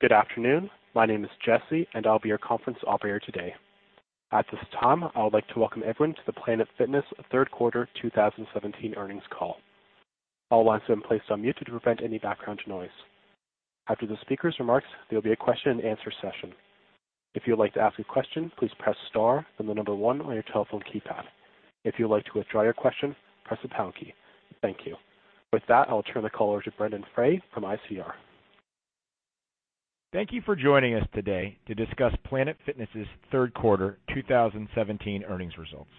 Good afternoon. My name is Jesse, and I'll be your conference operator today. At this time, I would like to welcome everyone to the Planet Fitness Third Quarter 2017 earnings call. All lines have been placed on mute to prevent any background noise. After the speakers' remarks, there will be a question and answer session. If you would like to ask a question, please press star, then the number 1 on your telephone keypad. If you would like to withdraw your question, press the pound key. Thank you. With that, I'll turn the call over to Brendon Frey from ICR. Thank you for joining us today to discuss Planet Fitness' third quarter 2017 earnings results.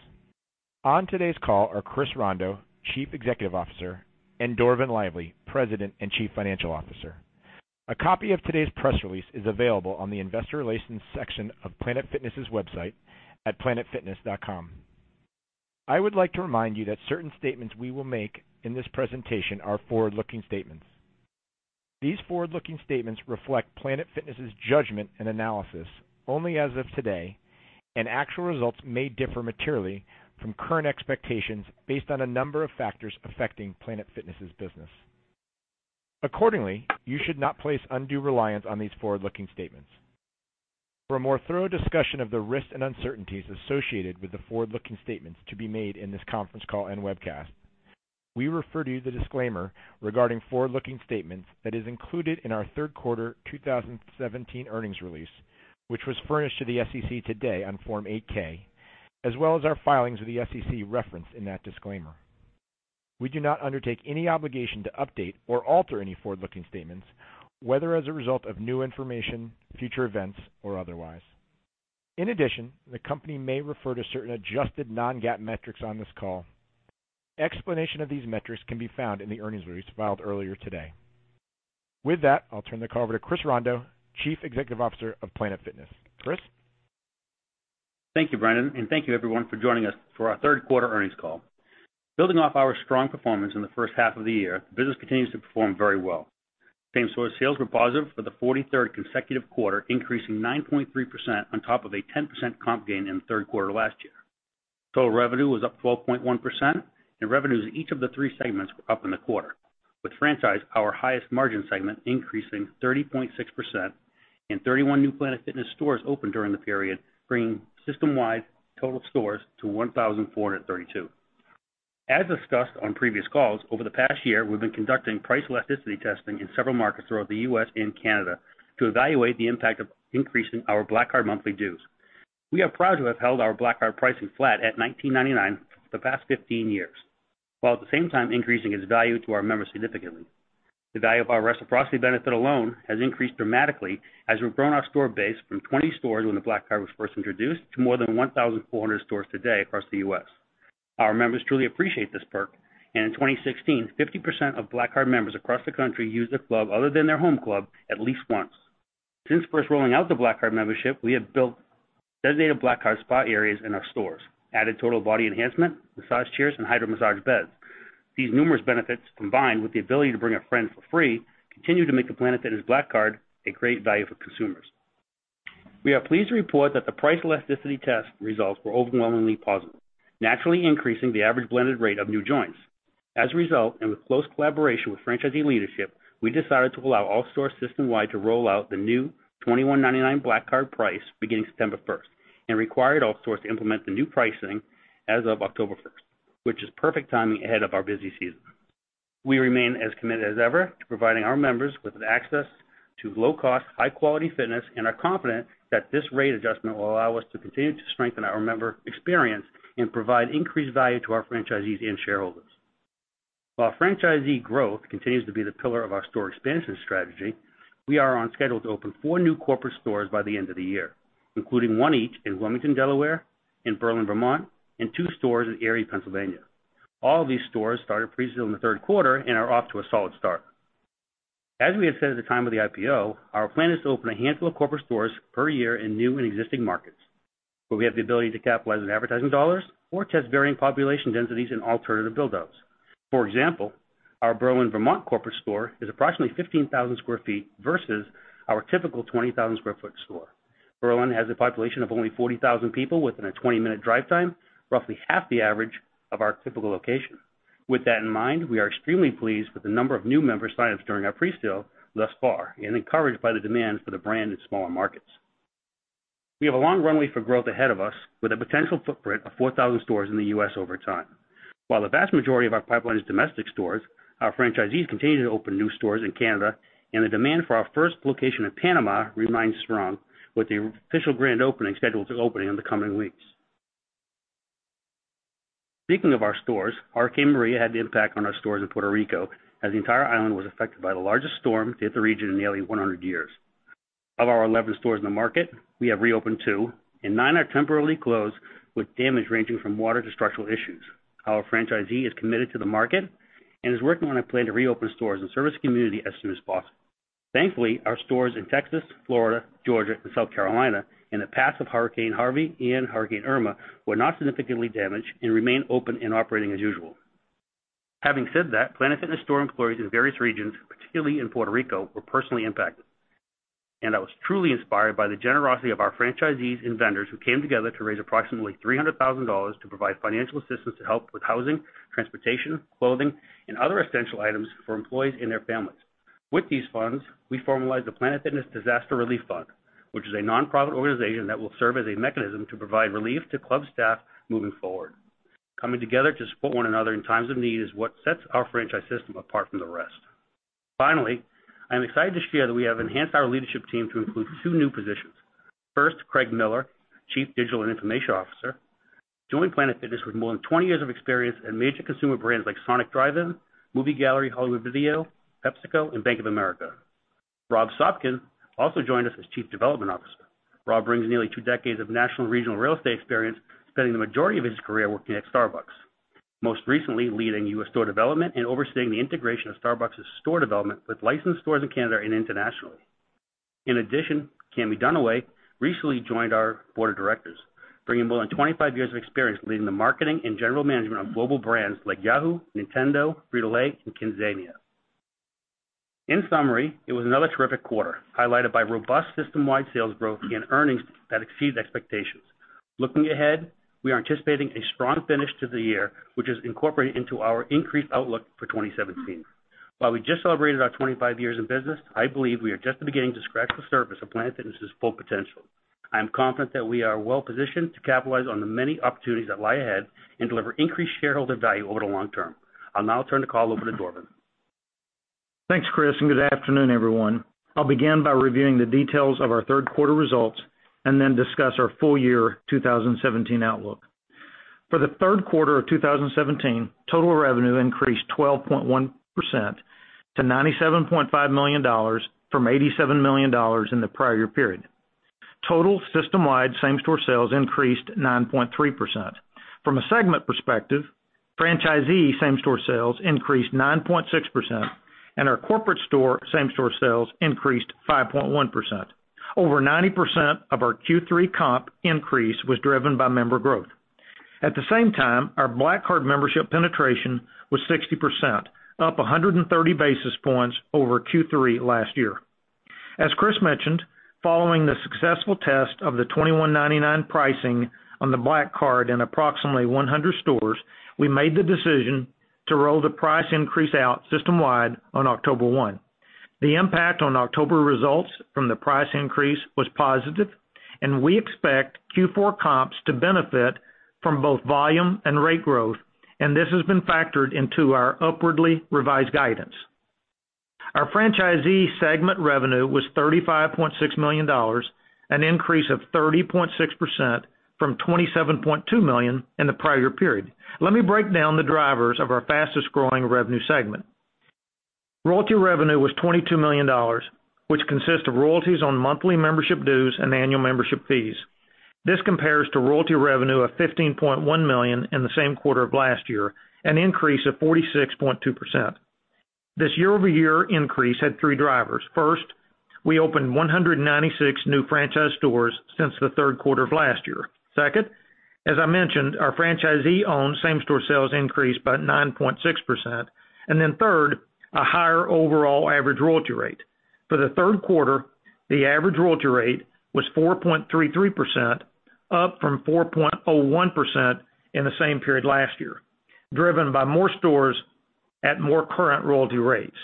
On today's call are Chris Rondeau, Chief Executive Officer, and Dorvin Lively, President and Chief Financial Officer. A copy of today's press release is available on the investor relations section of planetfitness.com. I would like to remind you that certain statements we will make in this presentation are forward-looking statements. These forward-looking statements reflect Planet Fitness' judgment and analysis only as of today, actual results may differ materially from current expectations based on a number of factors affecting Planet Fitness' business. Accordingly, you should not place undue reliance on these forward-looking statements. For a more thorough discussion of the risks and uncertainties associated with the forward-looking statements to be made in this conference call and webcast, we refer you to the disclaimer regarding forward-looking statements that is included in our third quarter 2017 earnings release, which was furnished to the SEC today on Form 8-K, as well as our filings with the SEC referenced in that disclaimer. We do not undertake any obligation to update or alter any forward-looking statements, whether as a result of new information, future events, or otherwise. In addition, the company may refer to certain adjusted non-GAAP metrics on this call. Explanation of these metrics can be found in the earnings release filed earlier today. With that, I'll turn the call over to Chris Rondeau, Chief Executive Officer of Planet Fitness. Chris? Thank you, Brendon, thank you everyone for joining us for our third quarter earnings call. Building off our strong performance in the first half of the year, the business continues to perform very well. Same-store sales were positive for the 43rd consecutive quarter, increasing 9.3% on top of a 10% comp gain in the third quarter last year. Total revenue was up 12.1%, revenues in each of the three segments were up in the quarter, with franchise, our highest margin segment, increasing 30.6%, 31 new Planet Fitness stores opened during the period, bringing system-wide total stores to 1,432. As discussed on previous calls, over the past year, we've been conducting price elasticity testing in several markets throughout the U.S. and Canada to evaluate the impact of increasing our Black Card monthly dues. We are proud to have held our Black Card pricing flat at $19.99 for the past 15 years, while at the same time increasing its value to our members significantly. The value of our reciprocity benefit alone has increased dramatically as we've grown our store base from 20 stores when the Black Card was first introduced to more than 1,400 stores today across the U.S. Our members truly appreciate this perk, and in 2016, 50% of Black Card members across the country used a club other than their home club at least once. Since first rolling out the Black Card membership, we have built designated Black Card Spa areas in our stores, added Total Body Enhancement, massage chairs, and HydroMassage beds. These numerous benefits, combined with the ability to bring a friend for free, continue to make the Planet Fitness Black Card a great value for consumers. We are pleased to report that the price elasticity test results were overwhelmingly positive, naturally increasing the average blended rate of new joins. As a result, and with close collaboration with franchisee leadership, we decided to allow all stores system-wide to roll out the new $21.99 Black Card price beginning September 1st and required all stores to implement the new pricing as of October 1st, which is perfect timing ahead of our busy season. We remain as committed as ever to providing our members with access to low-cost, high-quality fitness and are confident that this rate adjustment will allow us to continue to strengthen our member experience and provide increased value to our franchisees and shareholders. While franchisee growth continues to be the pillar of our store expansion strategy, we are on schedule to open four new corporate stores by the end of the year, including one each in Wilmington, Delaware, in Berlin, Vermont, and two stores in Erie, Pennsylvania. All these stores started pre-sale in the third quarter and are off to a solid start. As we had said at the time of the IPO, our plan is to open a handful of corporate stores per year in new and existing markets, where we have the ability to capitalize on advertising dollars or test varying population densities and alternative build-outs. For example, our Berlin, Vermont, corporate store is approximately 15,000 square feet versus our typical 20,000 square foot store. Berlin has a population of only 40,000 people within a 20-minute drive time, roughly half the average of our typical location. With that in mind, we are extremely pleased with the number of new member sign-ups during our pre-sale thus far and encouraged by the demand for the brand in smaller markets. We have a long runway for growth ahead of us with a potential footprint of 4,000 stores in the U.S. over time. While the vast majority of our pipeline is domestic stores, our franchisees continue to open new stores in Canada, and the demand for our first location in Panama remains strong with the official grand opening scheduled to open in the coming weeks. Speaking of our stores, Hurricane Maria had an impact on our stores in Puerto Rico as the entire island was affected by the largest storm to hit the region in nearly 100 years. Of our 11 stores in the market, we have reopened two, and nine are temporarily closed with damage ranging from water to structural issues. Our franchisee is committed to the market and is working on a plan to reopen stores and service the community as soon as possible. Thankfully, our stores in Texas, Florida, Georgia, and South Carolina in the path of Hurricane Harvey and Hurricane Irma were not significantly damaged and remain open and operating as usual. Having said that, Planet Fitness store employees in various regions, particularly in Puerto Rico, were personally impacted, and I was truly inspired by the generosity of our franchisees and vendors who came together to raise approximately $300,000 to provide financial assistance to help with housing, transportation, clothing, and other essential items for employees and their families. With these funds, we formalized the Planet Fitness Disaster Relief Fund, which is a nonprofit organization that will serve as a mechanism to provide relief to club staff moving forward. Coming together to support one another in times of need is what sets our franchise system apart from the rest. I am excited to share that we have enhanced our leadership team to include two new positions. Craig Miller, Chief Digital and Information Officer, joined Planet Fitness with more than 20 years of experience in major consumer brands like Sonic Drive-In, Movie Gallery, Hollywood Video, PepsiCo, and Bank of America. Rob Sopkin also joined us as Chief Development Officer. Rob brings nearly two decades of national and regional real estate experience, spending the majority of his career working at Starbucks, most recently leading U.S. store development and overseeing the integration of Starbucks's store development with licensed stores in Canada and internationally. Cammie Dunaway recently joined our board of directors, bringing more than 25 years of experience leading the marketing and general management of global brands like Yahoo, Nintendo, Frito-Lay, and KidZania. It was another terrific quarter, highlighted by robust system-wide sales growth and earnings that exceeded expectations. We are anticipating a strong finish to the year, which is incorporated into our increased outlook for 2017. We just celebrated our 25 years in business, I believe we are just beginning to scratch the surface of Planet Fitness's full potential. I am confident that we are well-positioned to capitalize on the many opportunities that lie ahead and deliver increased shareholder value over the long term. I'll now turn the call over to Dorvin. Thanks, Chris, and good afternoon, everyone. I'll begin by reviewing the details of our third quarter results and then discuss our full year 2017 outlook. For the third quarter of 2017, total revenue increased 12.1% to $97.5 million from $87 million in the prior year period. Total system-wide same-store sales increased 9.3%. From a segment perspective, franchisee same-store sales increased 9.6%, and our corporate store same-store sales increased 5.1%. Over 90% of our Q3 comp increase was driven by member growth. At the same time, our Black Card membership penetration was 60%, up 130 basis points over Q3 last year. As Chris mentioned, following the successful test of the $21.99 pricing on the Black Card in approximately 100 stores, we made the decision to roll the price increase out system-wide on October 1. The impact on October results from the price increase was positive. We expect Q4 comps to benefit from both volume and rate growth, and this has been factored into our upwardly revised guidance. Our franchisee segment revenue was $35.6 million, an increase of 30.6% from $27.2 million in the prior period. Let me break down the drivers of our fastest-growing revenue segment. Royalty revenue was $22 million, which consists of royalties on monthly membership dues and annual membership fees. This compares to royalty revenue of $15.1 million in the same quarter of last year, an increase of 46.2%. This year-over-year increase had three drivers. First, we opened 196 new franchise stores since the third quarter of last year. Second, as I mentioned, our franchisee-owned same-store sales increased by 9.6%. Third, a higher overall average royalty rate. For the third quarter, the average royalty rate was 4.33%, up from 4.01% in the same period last year, driven by more stores at more current royalty rates.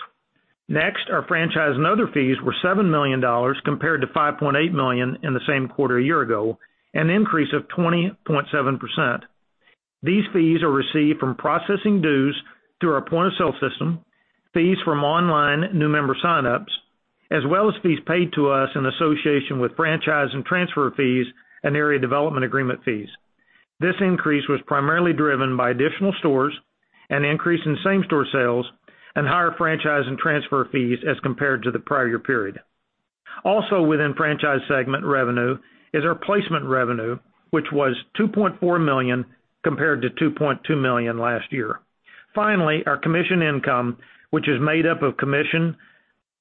Next, our franchise and other fees were $7 million, compared to $5.8 million in the same quarter a year ago, an increase of 20.7%. These fees are received from processing dues through our point-of-sale system, fees from online new member sign-ups, as well as fees paid to us in association with franchise and transfer fees and area development agreement fees. This increase was primarily driven by additional stores, an increase in same-store sales, and higher franchise and transfer fees as compared to the prior year period. Also within franchise segment revenue is our placement revenue, which was $2.4 million compared to $2.2 million last year. Finally, our commission income, which is made up of commission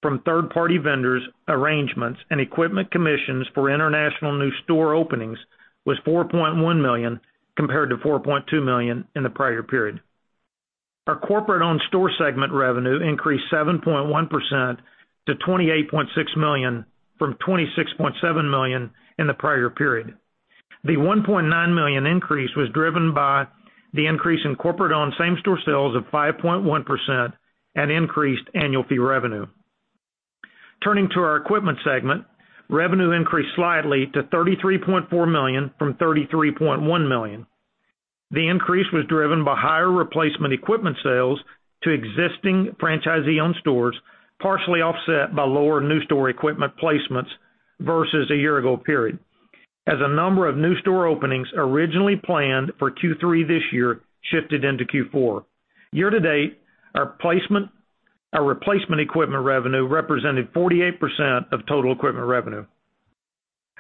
from third-party vendors, arrangements, and equipment commissions for international new store openings, was $4.1 million, compared to $4.2 million in the prior period. Our corporate-owned store segment revenue increased 7.1% to $28.6 million from $26.7 million in the prior period. The $1.9 million increase was driven by the increase in corporate-owned same-store sales of 5.1% and increased annual fee revenue. Turning to our equipment segment, revenue increased slightly to $33.4 million from $33.1 million. The increase was driven by higher replacement equipment sales to existing franchisee-owned stores, partially offset by lower new store equipment placements versus a year ago period, as a number of new store openings originally planned for Q3 this year shifted into Q4. Year-to-date, our replacement equipment revenue represented 48% of total equipment revenue.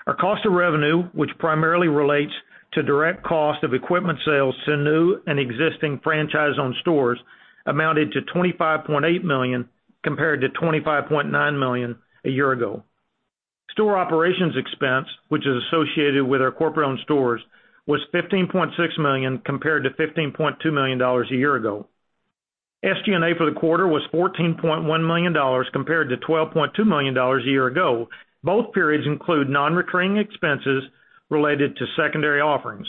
Our cost of revenue, which primarily relates to direct cost of equipment sales to new and existing franchise-owned stores, amounted to $25.8 million, compared to $25.9 million a year ago. Store operations expense, which is associated with our corporate-owned stores, was $15.6 million, compared to $15.2 million a year ago. SG&A for the quarter was $14.1 million compared to $12.2 million a year ago. Both periods include non-recurring expenses related to secondary offerings.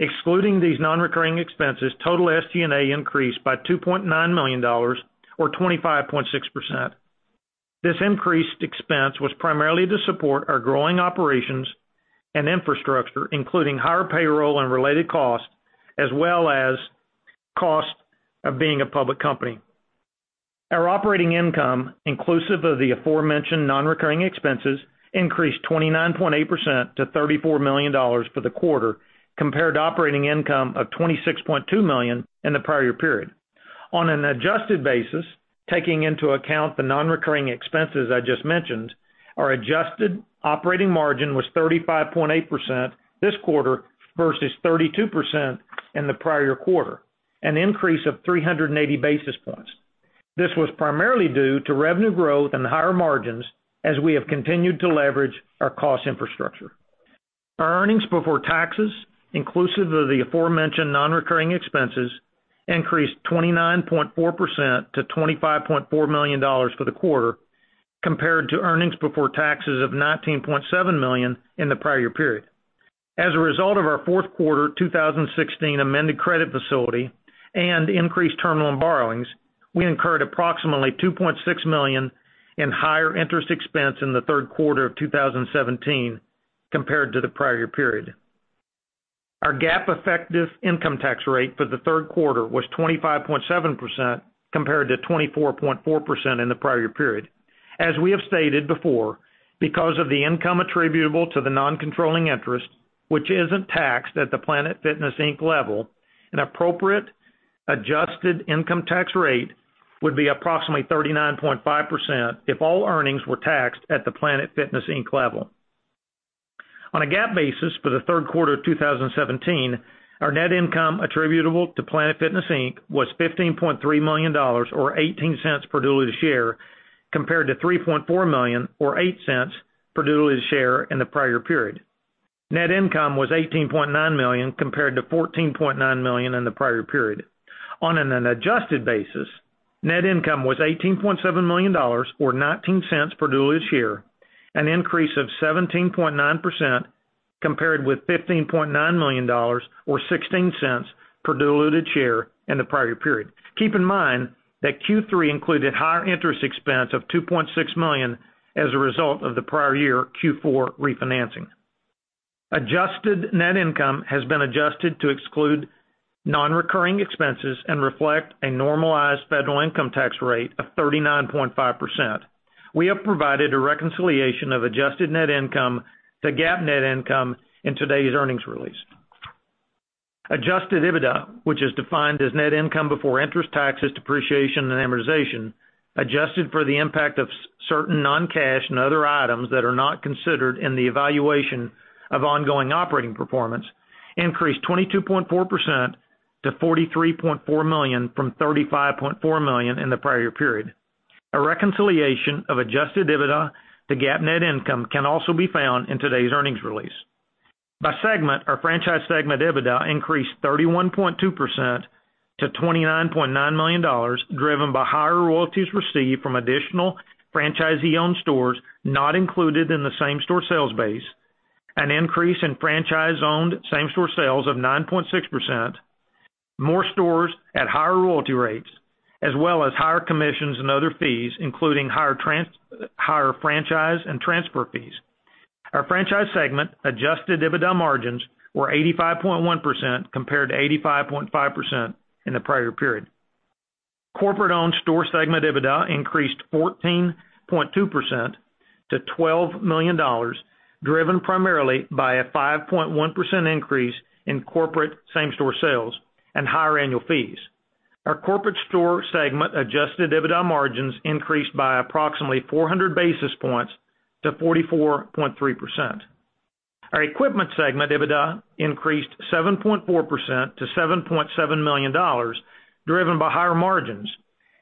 Excluding these non-recurring expenses, total SG&A increased by $2.9 million, or 25.6%. This increased expense was primarily to support our growing operations and infrastructure, including higher payroll and related costs, as well as cost of being a public company. Our operating income, inclusive of the aforementioned non-recurring expenses, increased 29.8% to $34 million for the quarter compared to operating income of $26.2 million in the prior year period. On an adjusted basis, taking into account the non-recurring expenses I just mentioned, our adjusted operating margin was 35.8% this quarter versus 32% in the prior year quarter, an increase of 380 basis points. This was primarily due to revenue growth and higher margins as we have continued to leverage our cost infrastructure. Our earnings before taxes, inclusive of the aforementioned non-recurring expenses, increased 29.4% to $25.4 million for the quarter, compared to earnings before taxes of $19.7 million in the prior year period. As a result of our fourth quarter 2016 amended credit facility and increased term loan borrowings, we incurred approximately $2.6 million in higher interest expense in the third quarter of 2017 compared to the prior year period. Our GAAP effective income tax rate for the third quarter was 25.7% compared to 24.4% in the prior year period. As we have stated before, because of the income attributable to the non-controlling interest, which isn't taxed at the Planet Fitness Inc. level, an appropriate adjusted income tax rate would be approximately 39.5% if all earnings were taxed at the Planet Fitness Inc. level. On a GAAP basis for the third quarter of 2017, our net income attributable to Planet Fitness Inc. was $15.3 million, or $0.18 per diluted share, compared to $3.4 million or $0.08 per diluted share in the prior period. Net income was $18.9 million, compared to $14.9 million in the prior period. On an adjusted basis, net income was $18.7 million, or $0.19 per diluted share, an increase of 17.9% compared with $15.9 million or $0.16 per diluted share in the prior year period. Keep in mind that Q3 included higher interest expense of $2.6 million as a result of the prior year Q4 refinancing. Adjusted net income has been adjusted to exclude non-recurring expenses and reflect a normalized federal income tax rate of 39.5%. We have provided a reconciliation of adjusted net income to GAAP net income in today's earnings release. Adjusted EBITDA, which is defined as net income before interest taxes, depreciation, and amortization, adjusted for the impact of certain non-cash and other items that are not considered in the evaluation of ongoing operating performance, increased 22.4% to $43.4 million from $35.4 million in the prior year period. A reconciliation of adjusted EBITDA to GAAP net income can also be found in today's earnings release. By segment, our franchise segment EBITDA increased 31.2% to $29.9 million, driven by higher royalties received from additional franchisee-owned stores not included in the same-store sales base, an increase in franchise-owned same-store sales of 9.6%, more stores at higher royalty rates, as well as higher commissions and other fees, including higher franchise and transfer fees. Our franchise segment adjusted EBITDA margins were 85.1% compared to 85.5% in the prior period. Corporate-owned store segment EBITDA increased 14.2% to $12 million, driven primarily by a 5.1% increase in corporate same-store sales and higher annual fees. Our corporate store segment adjusted EBITDA margins increased by approximately 400 basis points to 44.3%. Our equipment segment EBITDA increased 7.4% to $7.7 million, driven by higher margins.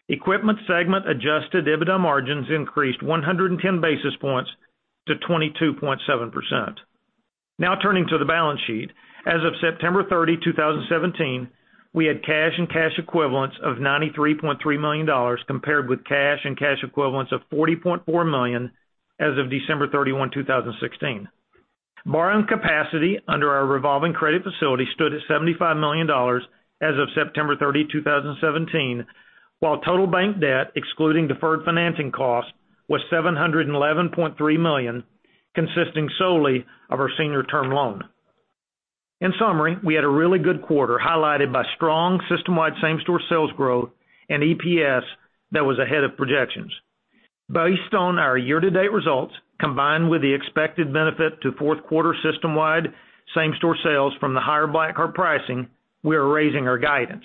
Equipment segment adjusted EBITDA margins increased 110 basis points to 22.7%. Turning to the balance sheet. As of September 30, 2017, we had cash and cash equivalents of $93.3 million, compared with cash and cash equivalents of $40.4 million as of December 31, 2016. Borrowing capacity under our revolving credit facility stood at $75 million as of September 30, 2017, while total bank debt, excluding deferred financing costs, was $711.3 million, consisting solely of our senior term loan. In summary, we had a really good quarter, highlighted by strong system-wide same-store sales growth and EPS that was ahead of projections. Based on our year-to-date results, combined with the expected benefit to fourth quarter system-wide same-store sales from the higher Black Card pricing, we are raising our guidance.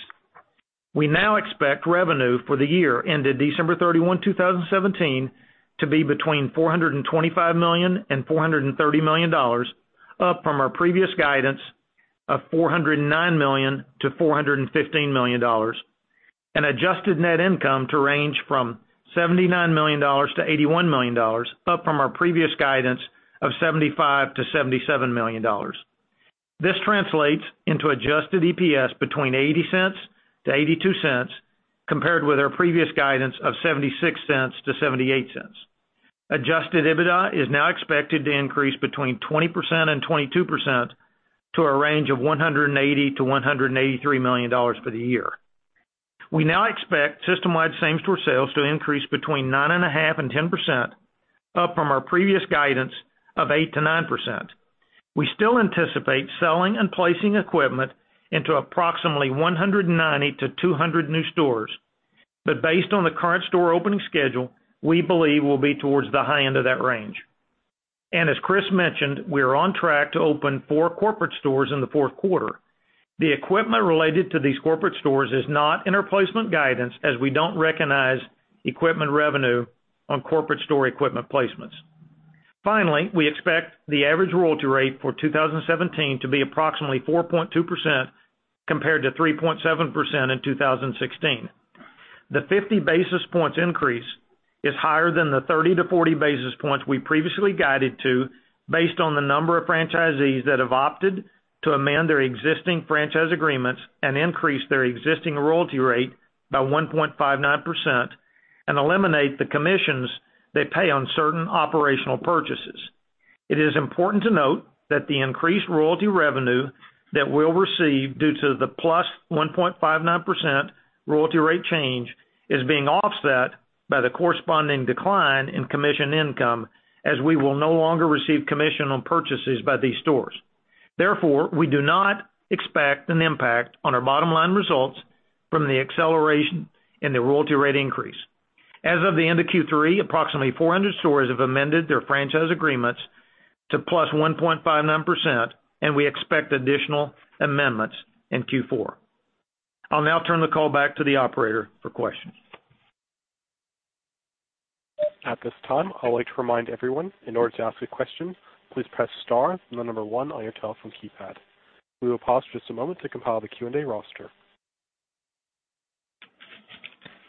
We now expect revenue for the year ended December 31, 2017, to be between $425 million-$430 million, up from our previous guidance of $409 million-$415 million, and adjusted net income to range from $79 million-$81 million, up from our previous guidance of $75 million-$77 million. This translates into adjusted EPS between $0.80-$0.82, compared with our previous guidance of $0.76-$0.78. Adjusted EBITDA is now expected to increase between 20%-22% to a range of $180 million-$183 million for the year. We now expect system-wide same-store sales to increase between 9.5%-10%, up from our previous guidance of 8%-9%. We still anticipate selling and placing equipment into approximately 190 to 200 new stores. Based on the current store opening schedule, we believe we'll be towards the high end of that range. As Chris mentioned, we are on track to open four corporate stores in the fourth quarter. The equipment related to these corporate stores is not in our placement guidance, as we don't recognize equipment revenue on corporate store equipment placements. Finally, we expect the average royalty rate for 2017 to be approximately 4.2% compared to 3.7% in 2016. The 50 basis points increase is higher than the 30 to 40 basis points we previously guided to based on the number of franchisees that have opted to amend their existing franchise agreements and increase their existing royalty rate by 1.59% and eliminate the commissions they pay on certain operational purchases. It is important to note that the increased royalty revenue that we'll receive due to the +1.59% royalty rate change is being offset by the corresponding decline in commission income, as we will no longer receive commission on purchases by these stores. Therefore, we do not expect an impact on our bottom-line results from the acceleration in the royalty rate increase. As of the end of Q3, approximately 400 stores have amended their franchise agreements to +1.59%, and we expect additional amendments in Q4. I'll now turn the call back to the operator for questions. At this time, I would like to remind everyone, in order to ask a question, please press star 1 on your telephone keypad. We will pause just a moment to compile the Q&A roster.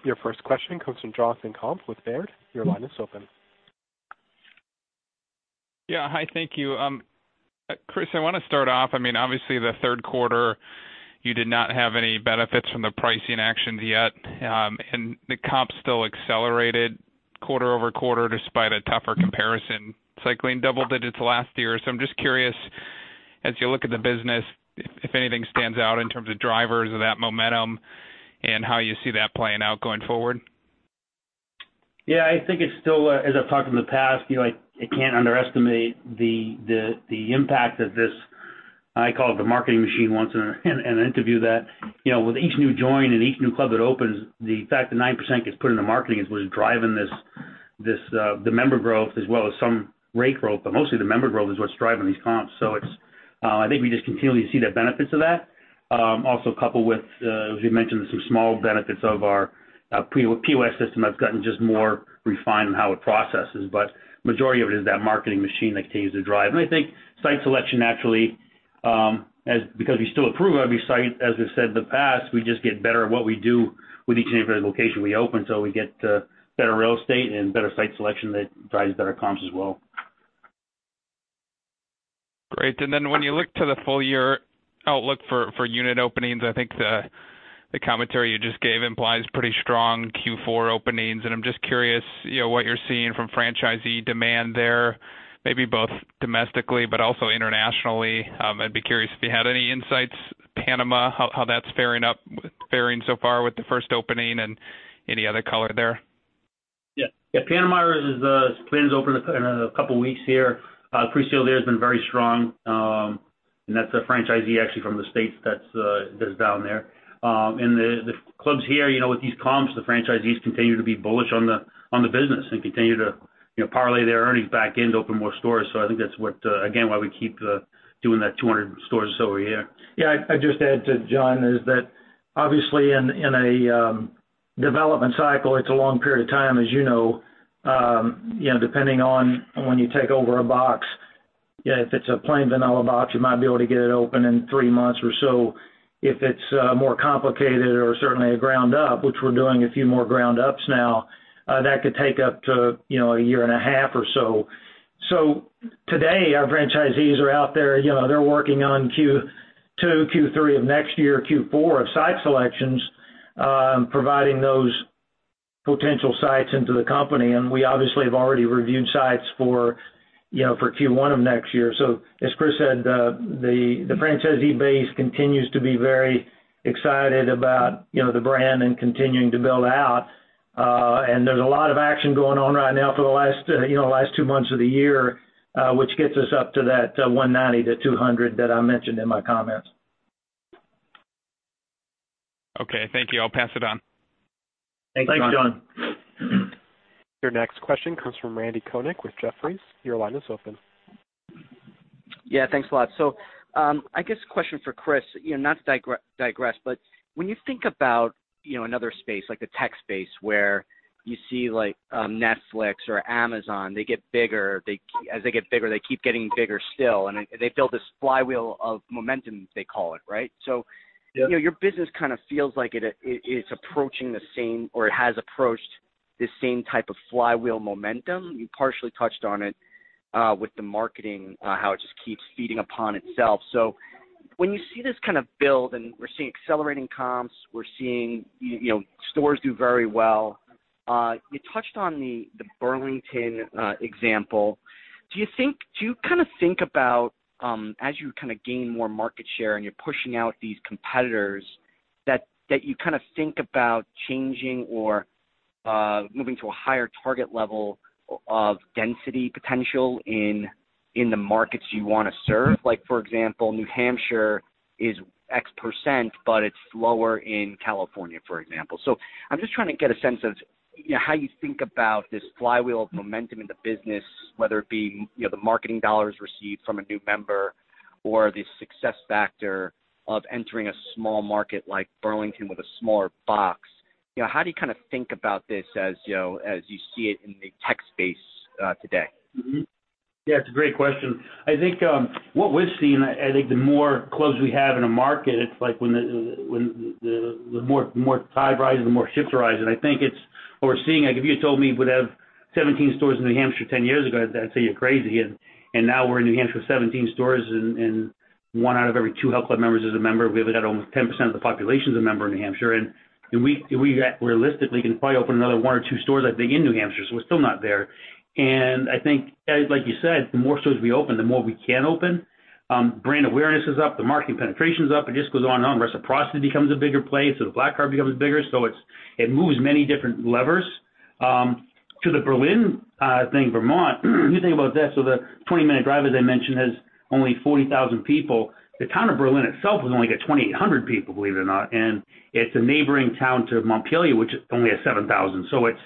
Your first question comes from Jonathan Komp with Baird. Your line is open. Hi, thank you. Chris, I want to start off, obviously, the third quarter, you did not have any benefits from the pricing actions yet, the comps still accelerated quarter-over-quarter despite a tougher comparison, cycling double-digits last year. I'm just curious, as you look at the business, if anything stands out in terms of drivers of that momentum and how you see that playing out going forward? I think it's still, as I've talked in the past, I can't underestimate the impact of this, I call it the marketing machine once in an interview that, with each new join and each new club that opens, the fact that 9% gets put into marketing is what is driving the member growth as well as some rate growth. Mostly, the member growth is what's driving these comps. I think we just continually see the benefits of that. Also coupled with, as we mentioned, some small benefits of our POS system that's gotten just more refined in how it processes. Majority of it is that marketing machine that continues to drive. I think site selection actually, because we still approve every site, as we've said in the past, we just get better at what we do with each individual location we open, so we get better real estate and better site selection that drives better comps as well. Great. When you look to the full-year outlook for unit openings, I think the commentary you just gave implies pretty strong Q4 openings, I'm just curious what you're seeing from franchisee demand there, maybe both domestically but also internationally. I'd be curious if you had any insights, Panama, how that's faring so far with the first opening and any other color there. Panama is planned to open in a couple of weeks here. Pre-sale there has been very strong. That's a franchisee actually from the States that's down there. The clubs here, with these comps, the franchisees continue to be bullish on the business and continue to parlay their earnings back in to open more stores. I think that's what, again, why we keep doing that 200 stores over a year. I'd just add to Jon is that, obviously, in a development cycle, it's a long period of time, as you know. Depending on when you take over a box, if it's a plain vanilla box, you might be able to get it open in three months or so. If it's more complicated or certainly a ground up, which we're doing a few more ground ups now, that could take up to a year and a half or so. Today, our franchisees are out there. They're working on Q2, Q3 of next year, Q4 of site selections, providing those potential sites into the company. We obviously have already reviewed sites for Q1 of next year. As Chris said, the franchisee base continues to be very excited about the brand and continuing to build out. There's a lot of action going on right now for the last two months of the year, which gets us up to that 190 to 200 that I mentioned in my comments. Okay, thank you. I'll pass it on. Thanks, John. Thanks, John. Your next question comes from Randal Konik with Jefferies. Your line is open. Yeah, thanks a lot. I guess a question for Chris. Not to digress, but when you think about another space, like the tech space, where you see Netflix or Amazon, they get bigger. As they get bigger, they keep getting bigger still, and they build this flywheel of momentum, they call it, right? Yeah. Your business kind of feels like it's approaching the same or it has approached the same type of flywheel momentum. You partially touched on it with the marketing, how it just keeps feeding upon itself. When you see this kind of build, and we're seeing accelerating comps, we're seeing stores do very well. You touched on the Burlington example. Do you think about, as you gain more market share and you're pushing out these competitors, that you think about changing or moving to a higher target level of density potential in the markets you want to serve? Like for example, New Hampshire is X%, but it's lower in California, for example. I'm just trying to get a sense of how you think about this flywheel of momentum in the business, whether it be the marketing dollars received from a new member or the success factor of entering a small market like Burlington with a smaller box. How do you think about this as you see it in the tech space today? It's a great question. I think what we've seen, I think the more clubs we have in a market, it's like the more the tide rises, the more ships rise. I think it's what we're seeing. If you told me we'd have 17 stores in New Hampshire 10 years ago, I'd say you're crazy. Now we're in New Hampshire with 17 stores and one out of every two Health Club members is a member. We have almost 10% of the population's a member in New Hampshire. We realistically can probably open another one or two stores, I think, in New Hampshire. We're still not there. I think, like you said, the more stores we open, the more we can open. Brand awareness is up. The marketing penetration's up. It just goes on and on. Reciprocity becomes a bigger play. The PF Black Card becomes bigger. It moves many different levers. To the Burlington thing, Vermont, if you think about that, the 20-minute drive, as I mentioned, has only 40,000 people. The town of Burlington itself has only got 2,800 people, believe it or not. It's a neighboring town to Montpelier, which only has 7,000. It's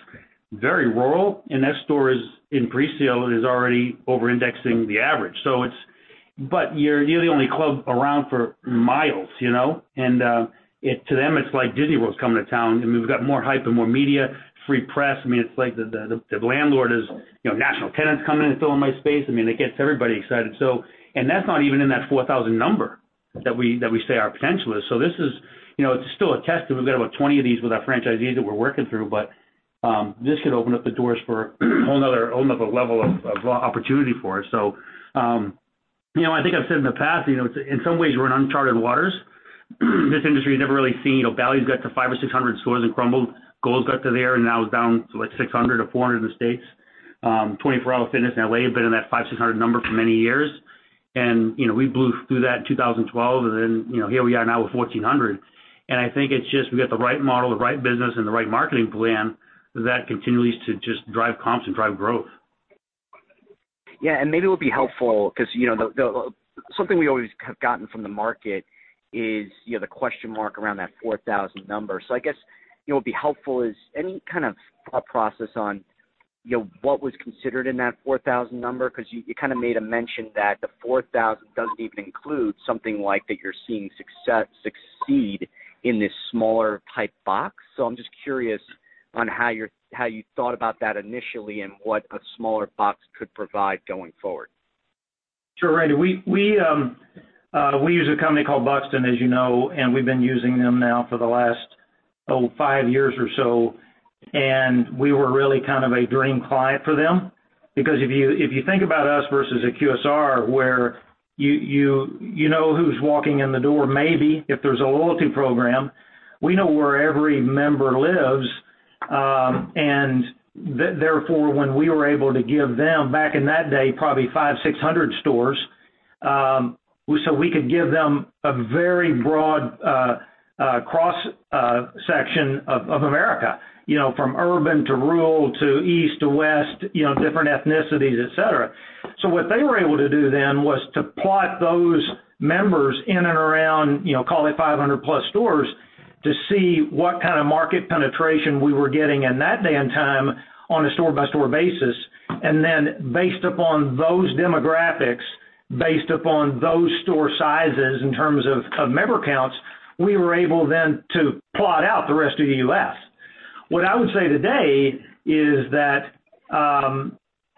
very rural, and that store is in pre-sale and is already over-indexing the average. You're the only club around for miles. To them, it's like Disney World's coming to town, and we've got more hype and more media, free press. It's like the landlord is, "National tenant's coming in and filling my space." It gets everybody excited. That's not even in that 4,000 number that we say our potential is. It's still a test, and we've got about 20 of these with our franchisees that we're working through. This could open up the doors for a whole another level of opportunity for us. I think I've said in the past, in some ways, we're in uncharted waters. This industry had never really seen. Bally's got to 500 or 600 stores and crumbled. Gold's got to there and now is down to like 600 or 400 in the U.S. 24 Hour Fitness in L.A. have been in that 500, 600 number for many years. We blew through that in 2012, and then here we are now with 1,400. I think it's just we've got the right model, the right business, and the right marketing plan that continues to just drive comps and drive growth. Maybe it would be helpful because something we always have gotten from the market is the question mark around that 4,000 number. I guess what would be helpful is any kind of thought process on what was considered in that 4,000 number, because you kind of made a mention that the 4,000 doesn't even include something like that you're seeing succeed in this smaller type box. I'm just curious on how you thought about that initially and what a smaller box could provide going forward. Sure, Randy. We use a company called Buxton, as you know, and we've been using them now for the last, oh, five years or so. We were really kind of a dream client for them, because if you think about us versus a QSR, where you know who's walking in the door, maybe, if there's a loyalty program. We know where every member lives. Therefore, when we were able to give them, back in that day, probably 500 or 600 stores, we could give them a very broad cross-section of America, from urban to rural to east to west, different ethnicities, et cetera. What they were able to do then was to plot those members in and around call it 500-plus stores to see what kind of market penetration we were getting in that day and time on a store-by-store basis. Based upon those demographics, based upon those store sizes in terms of member counts, we were able then to plot out the rest of the U.S. What I would say today is that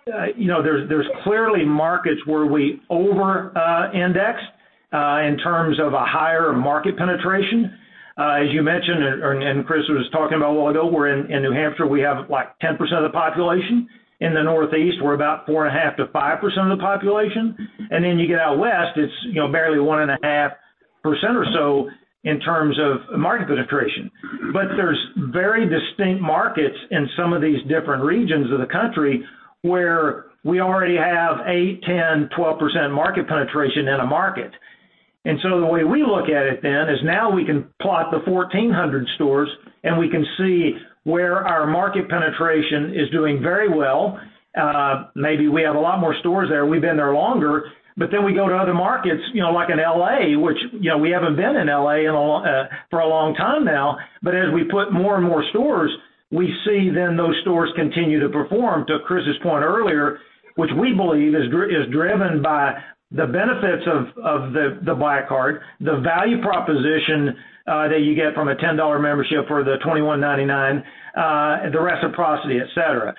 there's clearly markets where we over-indexed in terms of a higher market penetration. As you mentioned, Chris was talking about a while ago, where in New Hampshire, we have 10% of the population. In the Northeast, we're about 4.5%-5% of the population. You get out west, it's barely 1.5% or so in terms of market penetration. There's very distinct markets in some of these different regions of the country where we already have 8%, 10%, 12% market penetration in a market. The way we look at it then is now we can plot the 1,400 stores, we can see where our market penetration is doing very well. Maybe we have a lot more stores there. We've been there longer. We go to other markets, like in L.A., which we haven't been in L.A. for a long time now, as we put more and more stores, we see then those stores continue to perform. To Chris's point earlier, which we believe is driven by the benefits of the Black Card, the value proposition that you get from a $10 membership or the $21.99, the reciprocity, et cetera.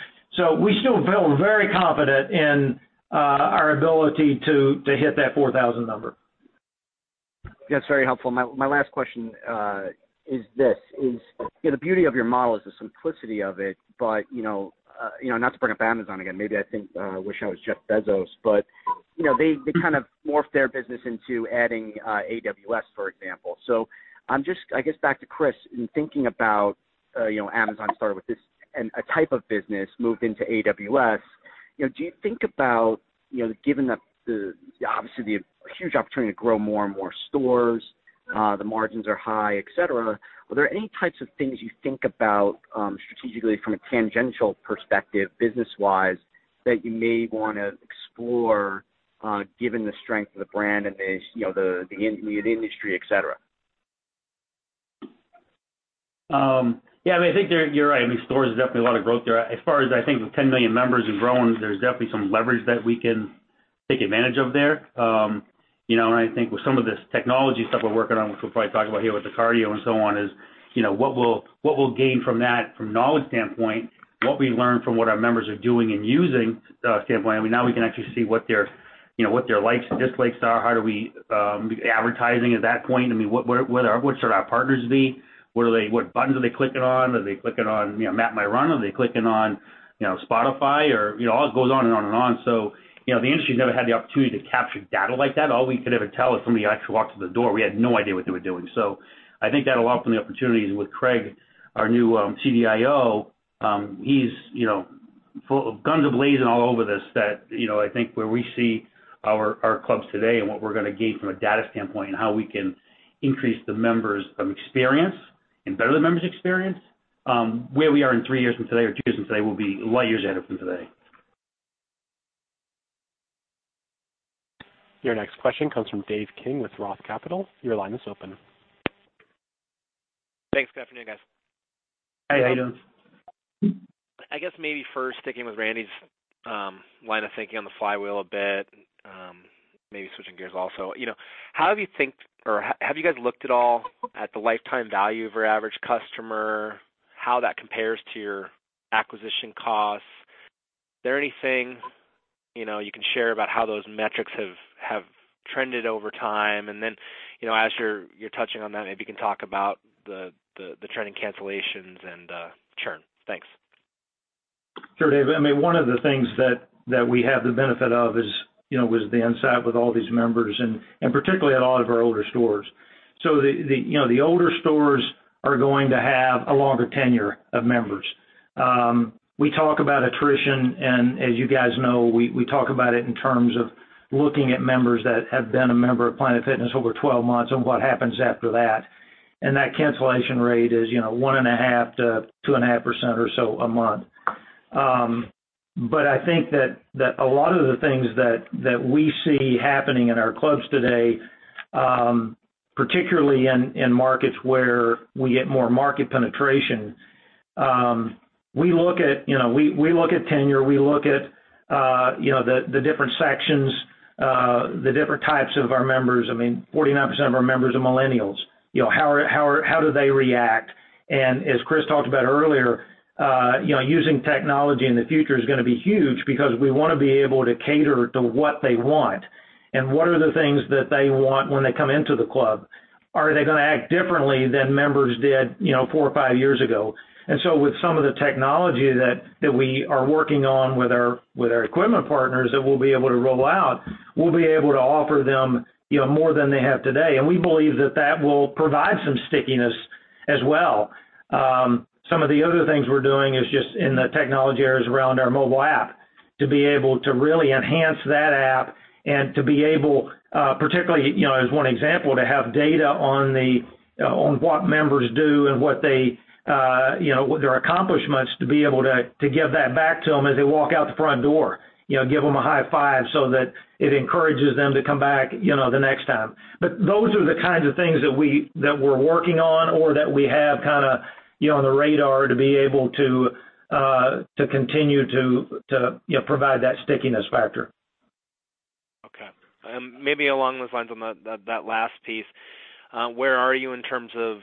We still feel very confident in our ability to hit that 4,000 number. That's very helpful. My last question is this, the beauty of your model is the simplicity of it. Not to bring up Amazon again, maybe I think, wish I was Jeff Bezos, but they kind of morphed their business into adding AWS, for example. I guess back to Chris, in thinking about Amazon started with this, and a type of business moved into AWS. Do you think about, given that obviously the huge opportunity to grow more and more stores, the margins are high, et cetera, were there any types of things you think about strategically from a tangential perspective, business-wise, that you may want to explore, given the strength of the brand and the industry, et cetera? I think you're right. Stores, there's definitely a lot of growth there. As far as I think with 10 million members and growing, there's definitely some leverage that we can take advantage of there. I think with some of this technology stuff we're working on, which we'll probably talk about here with the cardio and so on, is what we'll gain from that from a knowledge standpoint, what we learn from what our members are doing and using standpoint. Now we can actually see what their likes and dislikes are. How do we do advertising at that point? What should our partners be? What buttons are they clicking on? Are they clicking on MapMyRun? Are they clicking on Spotify? It all goes on and on and on. The industry never had the opportunity to capture data like that. All we could ever tell is somebody actually walked through the door. We had no idea what they were doing. I think that will open the opportunities with Craig, our new CDIO, he's guns ablazing all over this, that I think where we see our clubs today and what we're going to gain from a data standpoint and how we can increase the members' experience and better the members' experience, where we are in three years from today or two years from today will be light years ahead from today. Your next question comes from Dave King with Roth Capital. Your line is open. Thanks. Good afternoon, guys. Hi, how you doing? I guess maybe first sticking with Randy's line of thinking on the flywheel a bit, maybe switching gears also. Have you guys looked at all at the lifetime value of your average customer, how that compares to your acquisition costs? Is there anything you can share about how those metrics have trended over time? As you're touching on that, maybe you can talk about the trending cancellations and churn. Thanks. Sure, Dave. One of the things that we have the benefit of is the insight with all these members, particularly at a lot of our older stores. The older stores are going to have a longer tenure of members. We talk about attrition, as you guys know, we talk about it in terms of looking at members that have been a member of Planet Fitness over 12 months and what happens after that. That cancellation rate is 1.5%-2.5% or so a month. I think that a lot of the things that we see happening in our clubs today, particularly in markets where we get more market penetration, we look at tenure, we look at the different sections, the different types of our members. 49% of our members are millennials. How do they react? As Chris talked about earlier, using technology in the future is going to be huge because we want to be able to cater to what they want and what are the things that they want when they come into the club. Are they going to act differently than members did four or five years ago? With some of the technology that we are working on with our equipment partners that we'll be able to roll out, we'll be able to offer them more than they have today. We believe that that will provide some stickiness as well. Some of the other things we're doing is just in the technology areas around our mobile app, to be able to really enhance that app and to be able, particularly as one example, to have data on what members do and what their accomplishments, to be able to give that back to them as they walk out the front door. Give them a high five so that it encourages them to come back the next time. Those are the kinds of things that we're working on or that we have kind of on the radar to be able to continue to provide that stickiness factor. Okay. Maybe along those lines on that last piece, where are you in terms of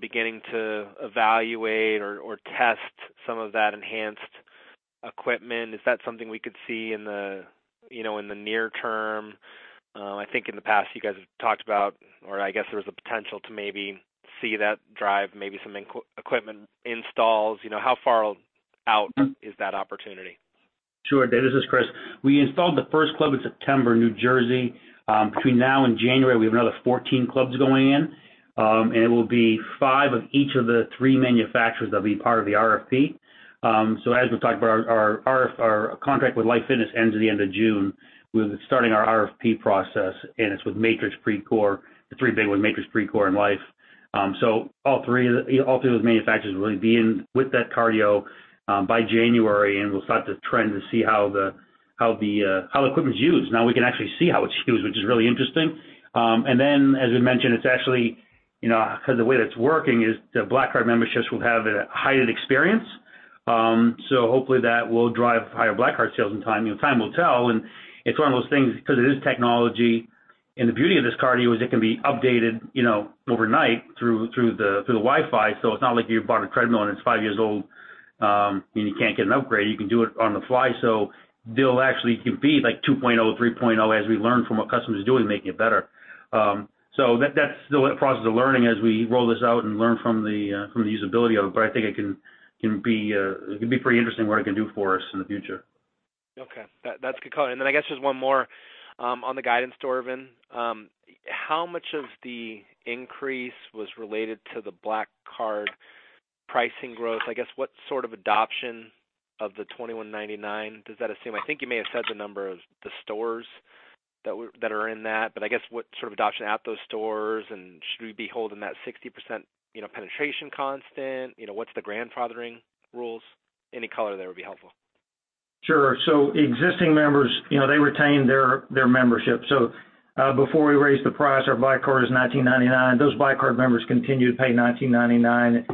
beginning to evaluate or test some of that enhanced equipment? Is that something we could see in the near term? I think in the past, you guys have talked about, or I guess there was a potential to maybe see that drive maybe some equipment installs. How far out is that opportunity? Sure, Dave. This is Chris. We installed the first club in September in N.J. Between now and January, we have another 14 clubs going in, and it will be five of each of the three manufacturers that will be part of the RFP. As we've talked about, our contract with Life Fitness ends at the end of June. We'll be starting our RFP process, and it's with Matrix, Precor, the three big ones, Matrix, Precor, and Life. All three of those manufacturers will be in with that cardio by January, and we'll start to trend to see how the equipment's used. Now we can actually see how it's used, which is really interesting. As we mentioned, the way that it's working is the Black Card memberships will have a heightened experience. Hopefully that will drive higher Black Card sales in time. Time will tell, and it's one of those things because it is technology, and the beauty of this cardio is it can be updated overnight through the Wi-Fi. It's not like you bought a treadmill and it's five years old, and you can't get an upgrade. You can do it on the fly. They'll actually compete like 2.0, 3.0 as we learn from what customers are doing, making it better. That's the process of learning as we roll this out and learn from the usability of it. I think it can be pretty interesting what it can do for us in the future. Okay. That's good color. I guess just one more on the guidance, Dorvin. How much of the increase was related to the Black Card pricing growth? I guess what sort of adoption of the $21.99 does that assume? I think you may have said the number of the stores that are in that, I guess what sort of adoption at those stores, and should we be holding that 60% penetration constant? What's the grandfathering rules? Any color there would be helpful. Sure. Existing members, they retain their membership. Before we raised the price, our Black Card was $19.99. Those Black Card members continue to pay $19.99.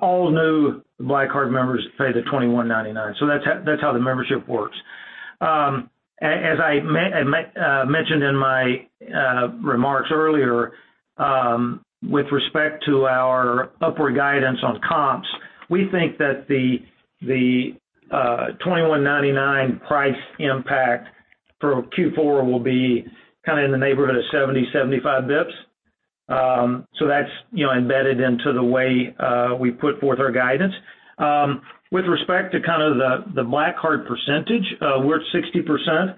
All new Black Card members pay the $21.99. That's how the membership works. As I mentioned in my remarks earlier, with respect to our upward guidance on comps, we think that the $21.99 price impact for Q4 will be in the neighborhood of 70, 75 basis points. That's embedded into the way we put forth our guidance. With respect to the Black Card percentage, we're at 60%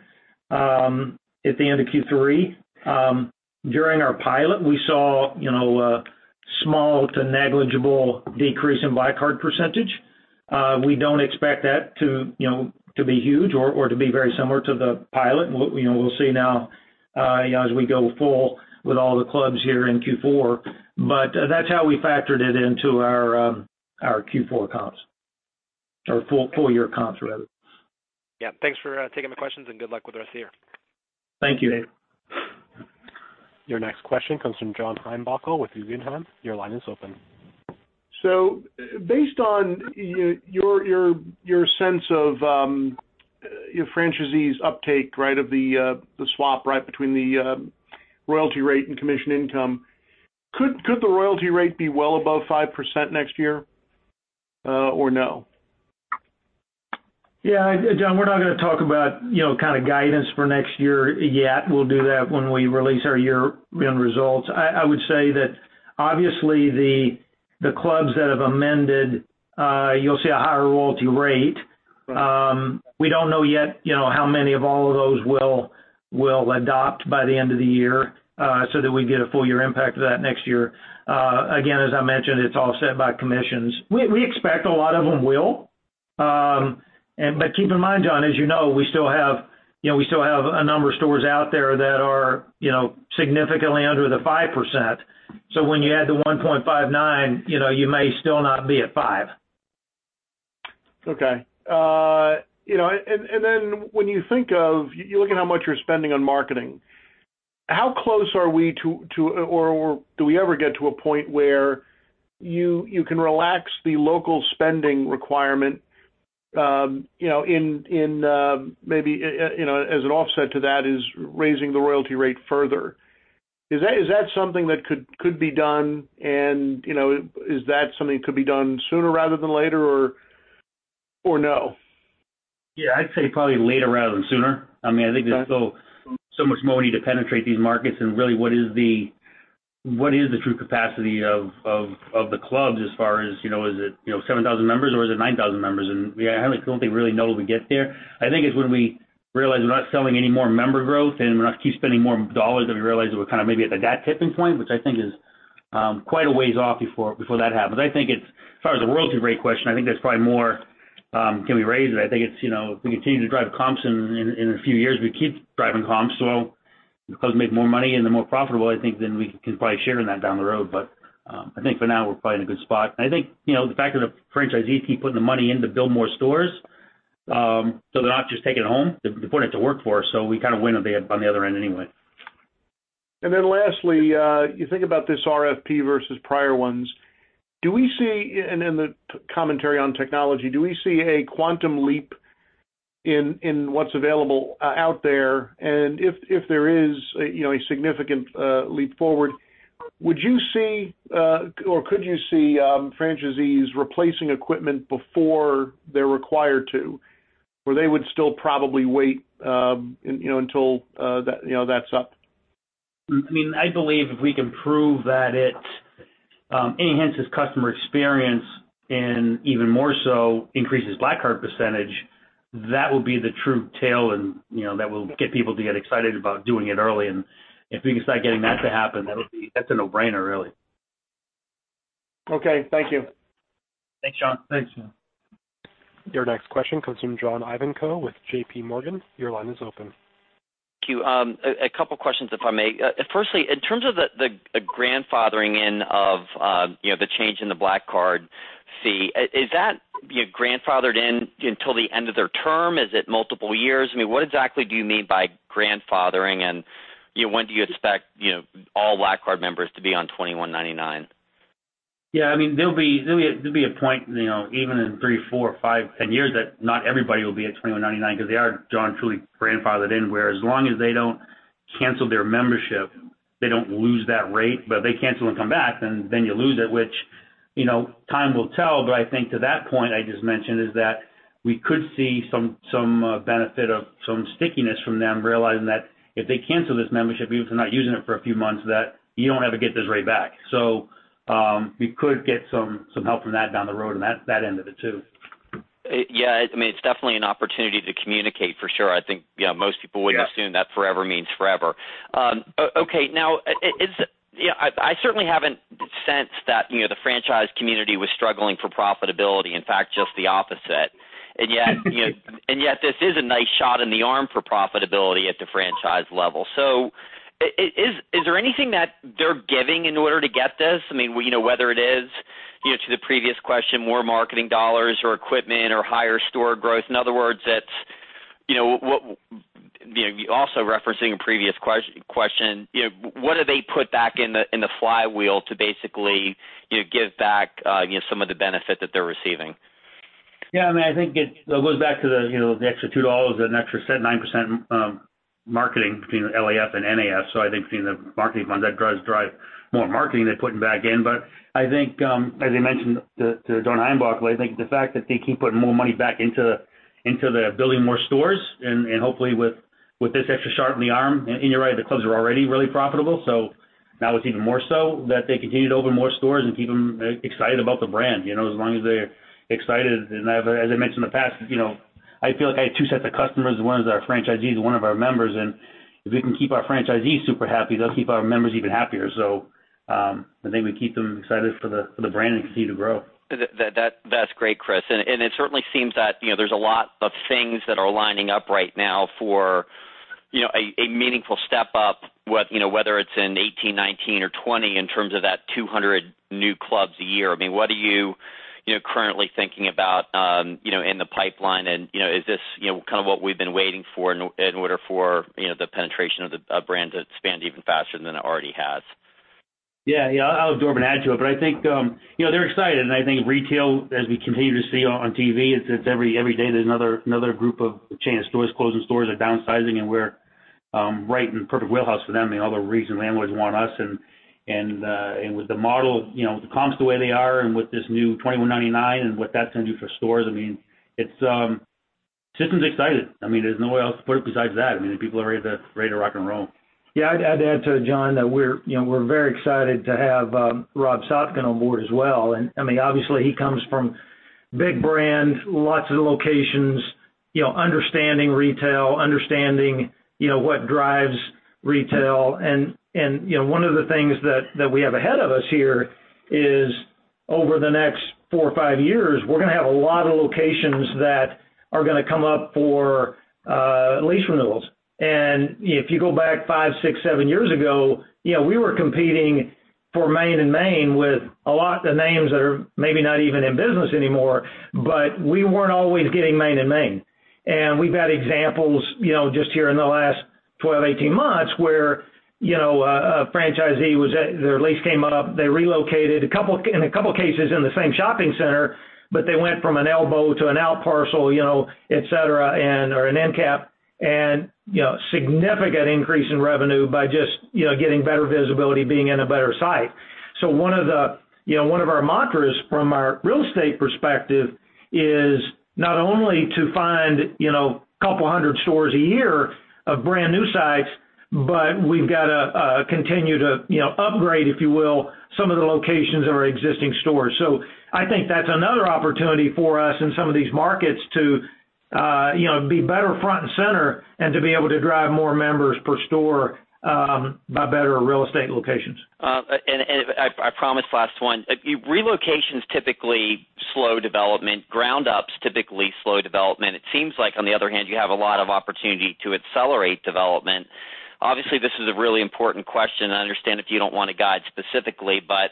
at the end of Q3. During our pilot, we saw small to negligible decrease in Black Card percentage. We don't expect that to be huge or to be very similar to the pilot. We'll see now as we go full with all the clubs here in Q4. That's how we factored it into our Q4 comps, or full year comps rather. Yeah. Thanks for taking the questions, and good luck with the rest of the year. Thank you. Your next question comes from John Heinbockel with Guggenheim. Your line is open. Based on your sense of your franchisees uptake, right of the swap, right, between the royalty rate and commission income, could the royalty rate be well above 5% next year or no? Yeah. John, we're not going to talk about guidance for next year yet. We'll do that when we release our year-end results. I would say that obviously the clubs that have amended, you'll see a higher royalty rate. Right. We don't know yet how many of all of those will adopt by the end of the year so that we get a full year impact of that next year. Again, as I mentioned, it's all set by commissions. We expect a lot of them will. Keep in mind, John, as you know, we still have a number of stores out there that are significantly under the 5%. When you add the 1.59, you may still not be at 5%. Okay. When you look at how much you're spending on marketing, how close are we to or do we ever get to a point where you can relax the local spending requirement, maybe as an offset to that is raising the royalty rate further. Is that something that could be done and is that something that could be done sooner rather than later or no? Yeah, I'd say probably later rather than sooner. I think there's still so much more we need to penetrate these markets and really what is the true capacity of the clubs as far as is it 7,000 members or is it 9,000 members? I don't think we really know till we get there. I think it's when we realize we're not selling any more member growth and we're not keep spending more dollars that we realize that we're maybe at that tipping point, which I think is quite a ways off before that happens. As far as the royalty rate question, I think there's probably more can we raise it? I think it's if we continue to drive comps in a few years, we keep driving comps well, the clubs make more money and they're more profitable, I think then we can probably share in that down the road. I think for now, we're probably in a good spot. I think, the fact that the franchisees keep putting the money in to build more stores, they're not just taking it home, they're putting it to work for us, we kind of win on the other end anyway. Lastly, you think about this RFP versus prior ones, and in the commentary on technology, do we see a quantum leap in what's available out there? If there is a significant leap forward, would you see or could you see franchisees replacing equipment before they're required to, or they would still probably wait until that's up? I believe if we can prove that it enhances customer experience and even more so increases Black Card percentage, that will be the true tailwind that will get people to get excited about doing it early. If we can start getting that to happen, that's a no-brainer really. Okay. Thank you. Thanks, John. Thanks, John. Your next question comes from John Ivankoe with JPMorgan. Your line is open. Thank you. A couple of questions, if I may. Firstly, in terms of the grandfathering in of the change in the Black Card fee, is that you grandfathered in until the end of their term? Is it multiple years? What exactly do you mean by grandfathering, and when do you expect all Black Card members to be on $21.99? Yeah. There'll be a point even in three, four, five, 10 years that not everybody will be at $21.99 because they are, John, truly grandfathered in. Whereas as long as they don't cancel their membership, they don't lose that rate. If they cancel and come back, then you lose it, which time will tell. I think to that point I just mentioned is that we could see some benefit of some stickiness from them realizing that if they cancel this membership, even if they're not using it for a few months, that you don't ever get this rate back. We could get some help from that down the road and that end of it, too. Yeah. It's definitely an opportunity to communicate, for sure. I think most people- Yeah wouldn't assume that forever means forever. Okay, now, I certainly haven't sensed that the franchise community was struggling for profitability. In fact, just the opposite. Yet, this is a nice shot in the arm for profitability at the franchise level. Is there anything that they're giving in order to get this? Whether it is, to the previous question, more marketing dollars or equipment or higher store growth? In other words, also referencing a previous question, what do they put back in the flywheel to basically give back some of the benefit that they're receiving? Yeah. I think it goes back to the extra $2, the extra said 9% marketing between LAF and NAF. I think between the marketing funds, that does drive more marketing they're putting back in. I think, as I mentioned to John Heinbockel, I think the fact that they keep putting more money back into the building more stores and hopefully with this extra shot in the arm, and you're right, the clubs are already really profitable. Now it's even more so that they continue to open more stores and keep them excited about the brand. As long as they're excited, and as I mentioned in the past, I feel like I have two sets of customers. One is our franchisees and one of our members, and if we can keep our franchisees super happy, they'll keep our members even happier. I think we keep them excited for the brand and continue to grow. That's great, Chris. It certainly seems that there's a lot of things that are lining up right now for a meaningful step up, whether it's in 2018, 2019, or 2020 in terms of that 200 new clubs a year. What are you currently thinking about in the pipeline, and is this kind of what we've been waiting for in order for the penetration of the brand to expand even faster than it already has? Yeah. I'll go over and add to it, but I think they're excited, and I think retail, as we continue to see on TV, it's every day there's another group of chain of stores closing, stores are downsizing, and we're right in the perfect wheelhouse for them. All the reason landlords want us and with the model, the comps the way they are and with this new $21.99 and what that's going to do for stores, the system's excited. There's no way else to put it besides that. People are ready to rock and roll. Yeah, I'd add to John that we're very excited to have Rob Sopkin on board as well. Obviously, he comes from big brand, lots of locations, understanding retail, understanding what drives retail, and one of the things that we have ahead of us here is over the next four or five years, we're going to have a lot of locations that are going to come up for lease renewals. If you go back five, six, seven years ago, we were competing for main and main with a lot of the names that are maybe not even in business anymore, but we weren't always getting main and main. We've had examples just here in the last 12, 18 months where a franchisee, their lease came up, they relocated, in a couple cases in the same shopping center, but they went from an elbow to an outparcel, et cetera, or an end cap, and significant increase in revenue by just getting better visibility, being in a better site. One of our mantras from our real estate perspective is not only to find a couple hundred stores a year of brand-new sites, but we've got to continue to upgrade, if you will, some of the locations of our existing stores. I think that's another opportunity for us in some of these markets to be better front and center and to be able to drive more members per store by better real estate locations. I promise, last one. Relocation's typically slow development. Ground-up's typically slow development. It seems like, on the other hand, you have a lot of opportunity to accelerate development. Obviously, this is a really important question, and I understand if you don't want to guide specifically, but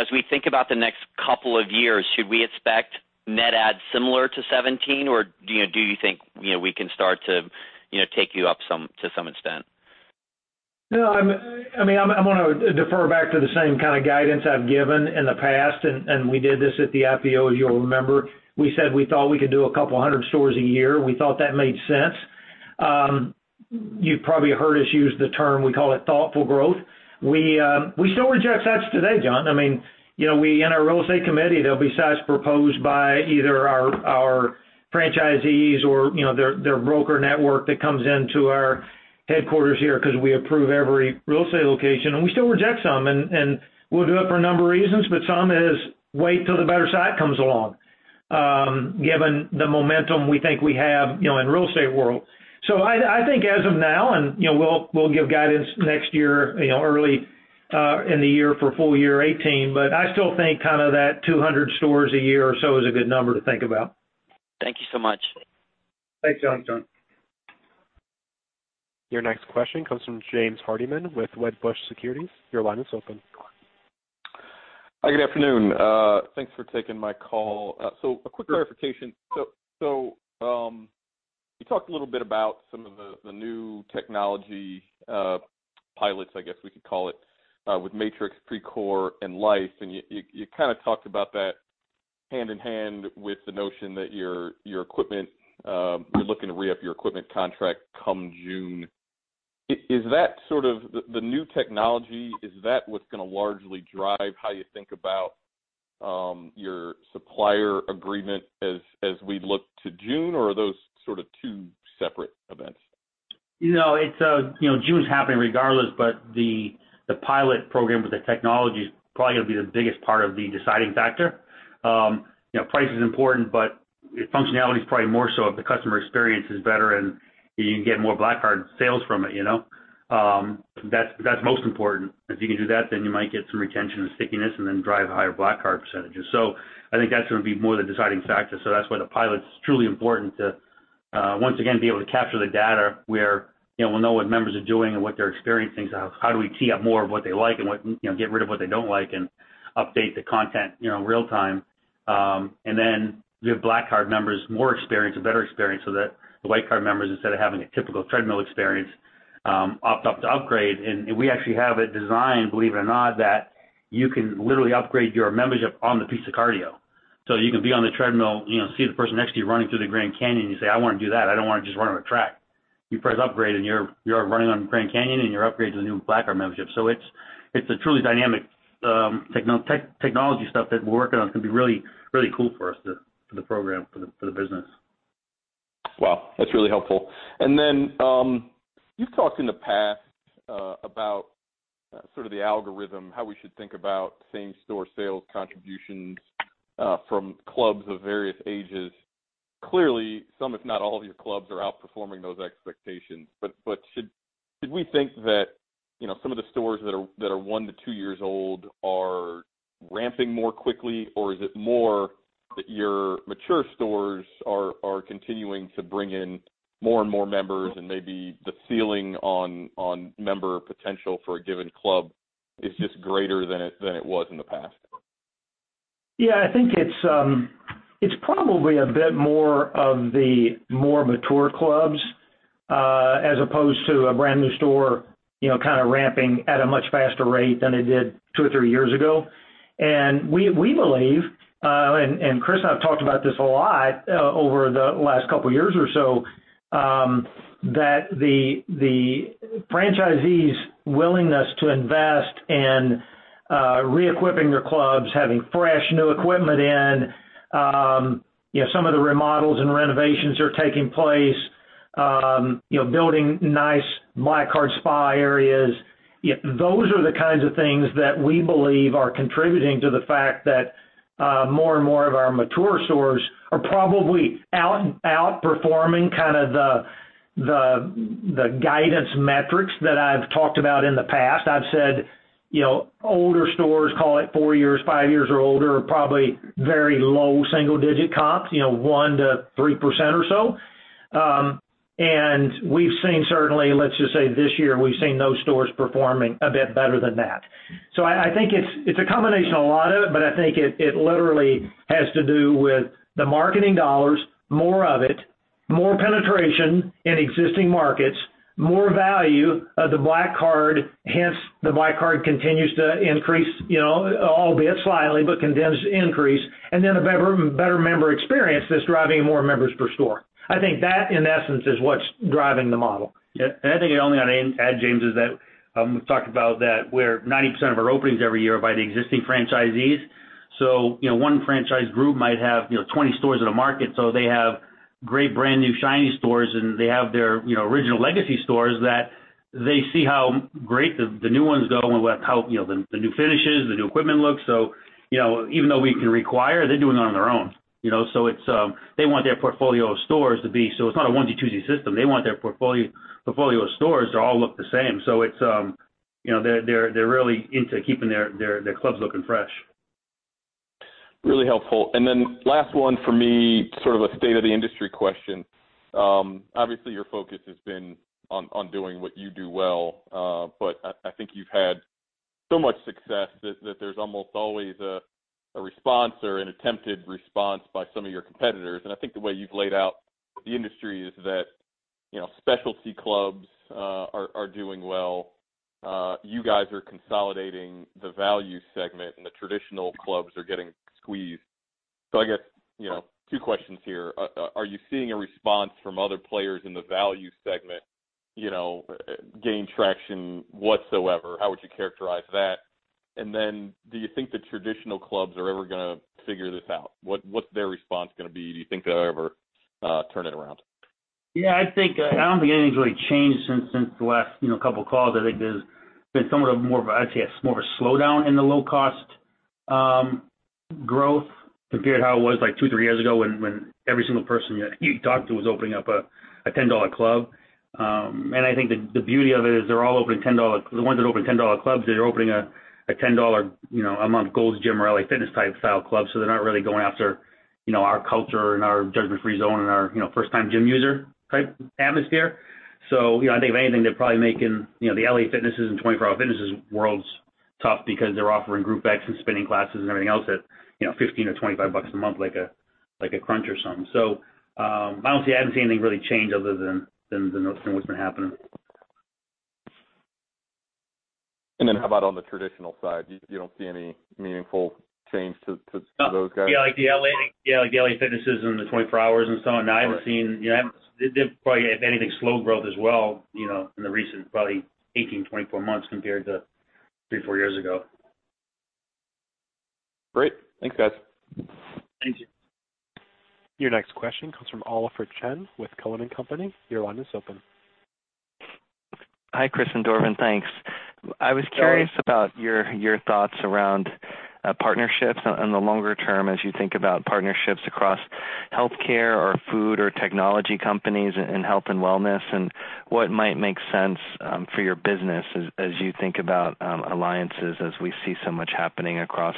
as we think about the next couple of years, should we expect net adds similar to 2017, or do you think we can start to take you up to some extent? No, I'm going to defer back to the same kind of guidance I've given in the past. We did this at the IPO, as you'll remember. We said we thought we could do 200 stores a year. We thought that made sense. You've probably heard us use the term, we call it thoughtful growth. We still reject sites today, John. In our real estate committee, there'll be sites proposed by either our franchisees or their broker network that comes into our headquarters here because we approve every real estate location, and we still reject some. We'll do it for a number of reasons, but some is wait till the better site comes along, given the momentum we think we have in real estate world. I think as of now, and we'll give guidance next year, early in the year for full year 2018, but I still think kind of that 200 stores a year or so is a good number to think about. Thank you so much. Thanks, John. Thanks, John. Your next question comes from James Hardiman with Wedbush Securities. Your line is open. Hi, good afternoon. Thanks for taking my call. A quick clarification. You talked a little bit about some of the new technology pilots, I guess we could call it, with Matrix, Precor, and Life. You kind of talked about that hand-in-hand with the notion that you're looking to re-up your equipment contract come June. The new technology, is that what's going to largely drive how you think about your supplier agreement as we look to June, or are those sort of two separate events? June's happening regardless, but the pilot program with the technology is probably going to be the biggest part of the deciding factor. Price is important, but functionality is probably more so. If the customer experience is better and you can get more Black Card sales from it, that's most important. If you can do that, then you might get some retention and stickiness and then drive higher Black Card percentages. I think that's going to be more the deciding factor. That's why the pilot's truly important to, once again, be able to capture the data where we'll know what members are doing and what they're experiencing. How do we tee up more of what they like and get rid of what they don't like and update the content real-time. Then give Black Card members more experience, a better experience, so that the White Card members, instead of having a typical treadmill experience, opt up to upgrade. We actually have it designed, believe it or not, that you can literally upgrade your membership on the piece of cardio. You can be on the treadmill, see the person next to you running through the Grand Canyon, you say, "I want to do that. I don't want to just run on a track." You press upgrade, and you're running on the Grand Canyon, and you're upgraded to the new Black Card membership. It's a truly dynamic technology stuff that we're working on. It's going to be really cool for us, for the program, for the business. Wow, that's really helpful. Then, you've talked in the past about sort of the algorithm, how we should think about same-store sales contributions from clubs of various ages. Clearly, some if not all of your clubs are outperforming those expectations. Should we think that some of the stores that are 1 to 2 years old are ramping more quickly, or is it more that your mature stores are continuing to bring in more and more members and maybe the ceiling on member potential for a given club is just greater than it was in the past? I think it's probably a bit more of the more mature clubs, as opposed to a brand-new store kind of ramping at a much faster rate than it did 2 or 3 years ago. We believe, and Chris and I have talked about this a lot over the last couple of years or so, that the franchisees' willingness to invest in re-equipping their clubs, having fresh, new equipment in, some of the remodels and renovations are taking place, building nice Black Card Spa areas. Those are the kinds of things that we believe are contributing to the fact that more and more of our mature stores are probably outperforming kind of the guidance metrics that I've talked about in the past. I've said older stores, call it 4 years, 5 years or older, are probably very low single-digit comps, 1%-3% or so. We've seen certainly, let's just say this year, we've seen those stores performing a bit better than that. I think it's a combination, a lot of it, but I think it literally has to do with the marketing dollars, more of it, more penetration in existing markets, more value of the Black Card, hence the Black Card continues to increase, albeit slightly, but continues to increase, and then a better member experience that's driving more members per store. I think that, in essence, is what's driving the model. I think the only other thing I'd add, James, is that we've talked about that where 90% of our openings every year are by the existing franchisees. One franchise group might have 20 stores in a market, so they have great brand-new shiny stores, and they have their original legacy stores that they see how great the new ones go and how the new finishes, the new equipment looks. Even though we can require, they're doing it on their own. They want their portfolio of stores. It's not a one-two, two-tier system. They want their portfolio of stores to all look the same. They're really into keeping their clubs looking fresh. Really helpful. Then last one from me, sort of a state-of-the-industry question. Obviously, your focus has been on doing what you do well. I think you've had so much success that there's almost always a response or an attempted response by some of your competitors. I think the way you've laid out the industry is that specialty clubs are doing well. You guys are consolidating the value segment, and the traditional clubs are getting squeezed. I guess, two questions here. Are you seeing a response from other players in the value segment gain traction whatsoever? How would you characterize that? Do you think the traditional clubs are ever going to figure this out? What's their response going to be? Do you think they'll ever turn it around? I don't think anything's really changed since the last couple of calls. I think there's been somewhat of more of, I'd say, a slower slowdown in the low-cost growth compared to how it was like two, three years ago, when every single person you talked to was opening up a $10 club. I think the beauty of it is the ones that open $10 clubs, they're opening a $10 a month Gold's Gym or LA Fitness type style club, so they're not really going after our culture and our judgment-free zone and our first-time gym user type atmosphere. I think if anything, they're probably making the LA Fitnesses and 24 Hour Fitnesses world's tough because they're offering Group X and spinning classes and everything else at $15 or $25 a month, like a Crunch or something. I haven't seen anything really change other than what's been happening. How about on the traditional side? You don't see any meaningful change to those guys? Yeah, like the L.A. Fitnesses and the 24 Hours and so on. I haven't seen. They've probably, if anything, slowed growth as well, in the recent probably 18, 24 months compared to three, four years ago. Great. Thanks, guys. Thank you. Your next question comes from Oliver Chen with Cowen and Company. Your line is open. Hi, Chris and Dorvin. Thanks. I was curious about your thoughts around partnerships on the longer term, as you think about partnerships across healthcare or food or technology companies in health and wellness, and what might make sense for your business as you think about alliances, as we see so much happening across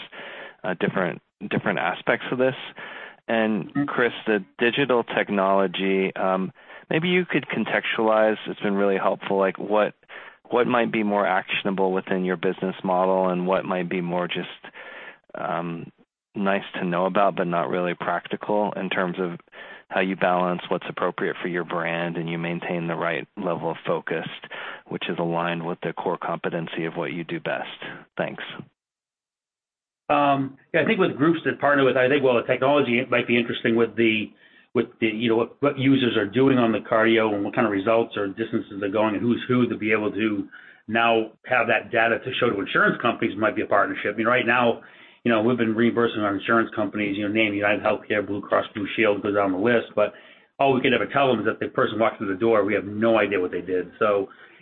different aspects of this. Chris, the digital technology, maybe you could contextualize, it's been really helpful, what might be more actionable within your business model and what might be more just nice to know about, but not really practical in terms of how you balance what's appropriate for your brand, and you maintain the right level of focus, which is aligned with the core competency of what you do best. Thanks. Yeah. I think with groups that partner with, I think while the technology might be interesting with what users are doing on the cardio and what kind of results or distances they're going and who's who, to be able to now have that data to show to insurance companies might be a partnership. Right now, we've been reimbursing our insurance companies, name UnitedHealthcare, Blue Cross Blue Shield goes down the list, but all we can ever tell them is if the person walks through the door, we have no idea what they did.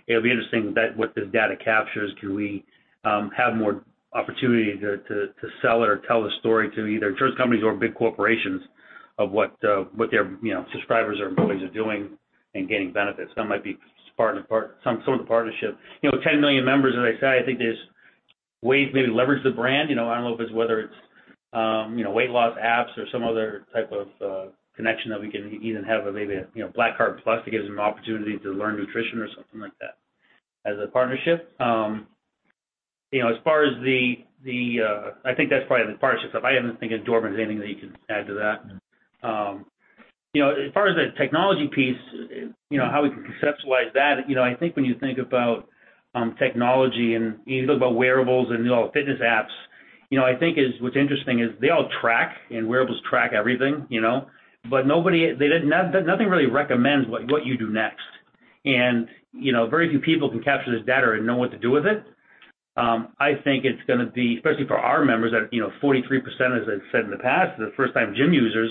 It'll be interesting what this data captures. Do we have more opportunity to sell it or tell the story to either insurance companies or big corporations of what their subscribers or employees are doing and gaining benefits? That might be some sort of partnership. With 10 million members, as I say, I think there's ways maybe to leverage the brand. I don't know whether it's weight loss apps or some other type of connection that we can even have or maybe a Black Card Plus that gives them an opportunity to learn nutrition or something like that as a partnership. I think that's probably the partnership stuff. I don't think Dorvin has anything that he can add to that. As far as the technology piece, how we can conceptualize that, I think when you think about technology and you think about wearables and fitness apps, I think what's interesting is they all track, and wearables track everything. Nothing really recommends what you do next. Very few people can capture this data and know what to do with it. I think it's going to be, especially for our members, 43%, as I've said in the past, are first-time gym users.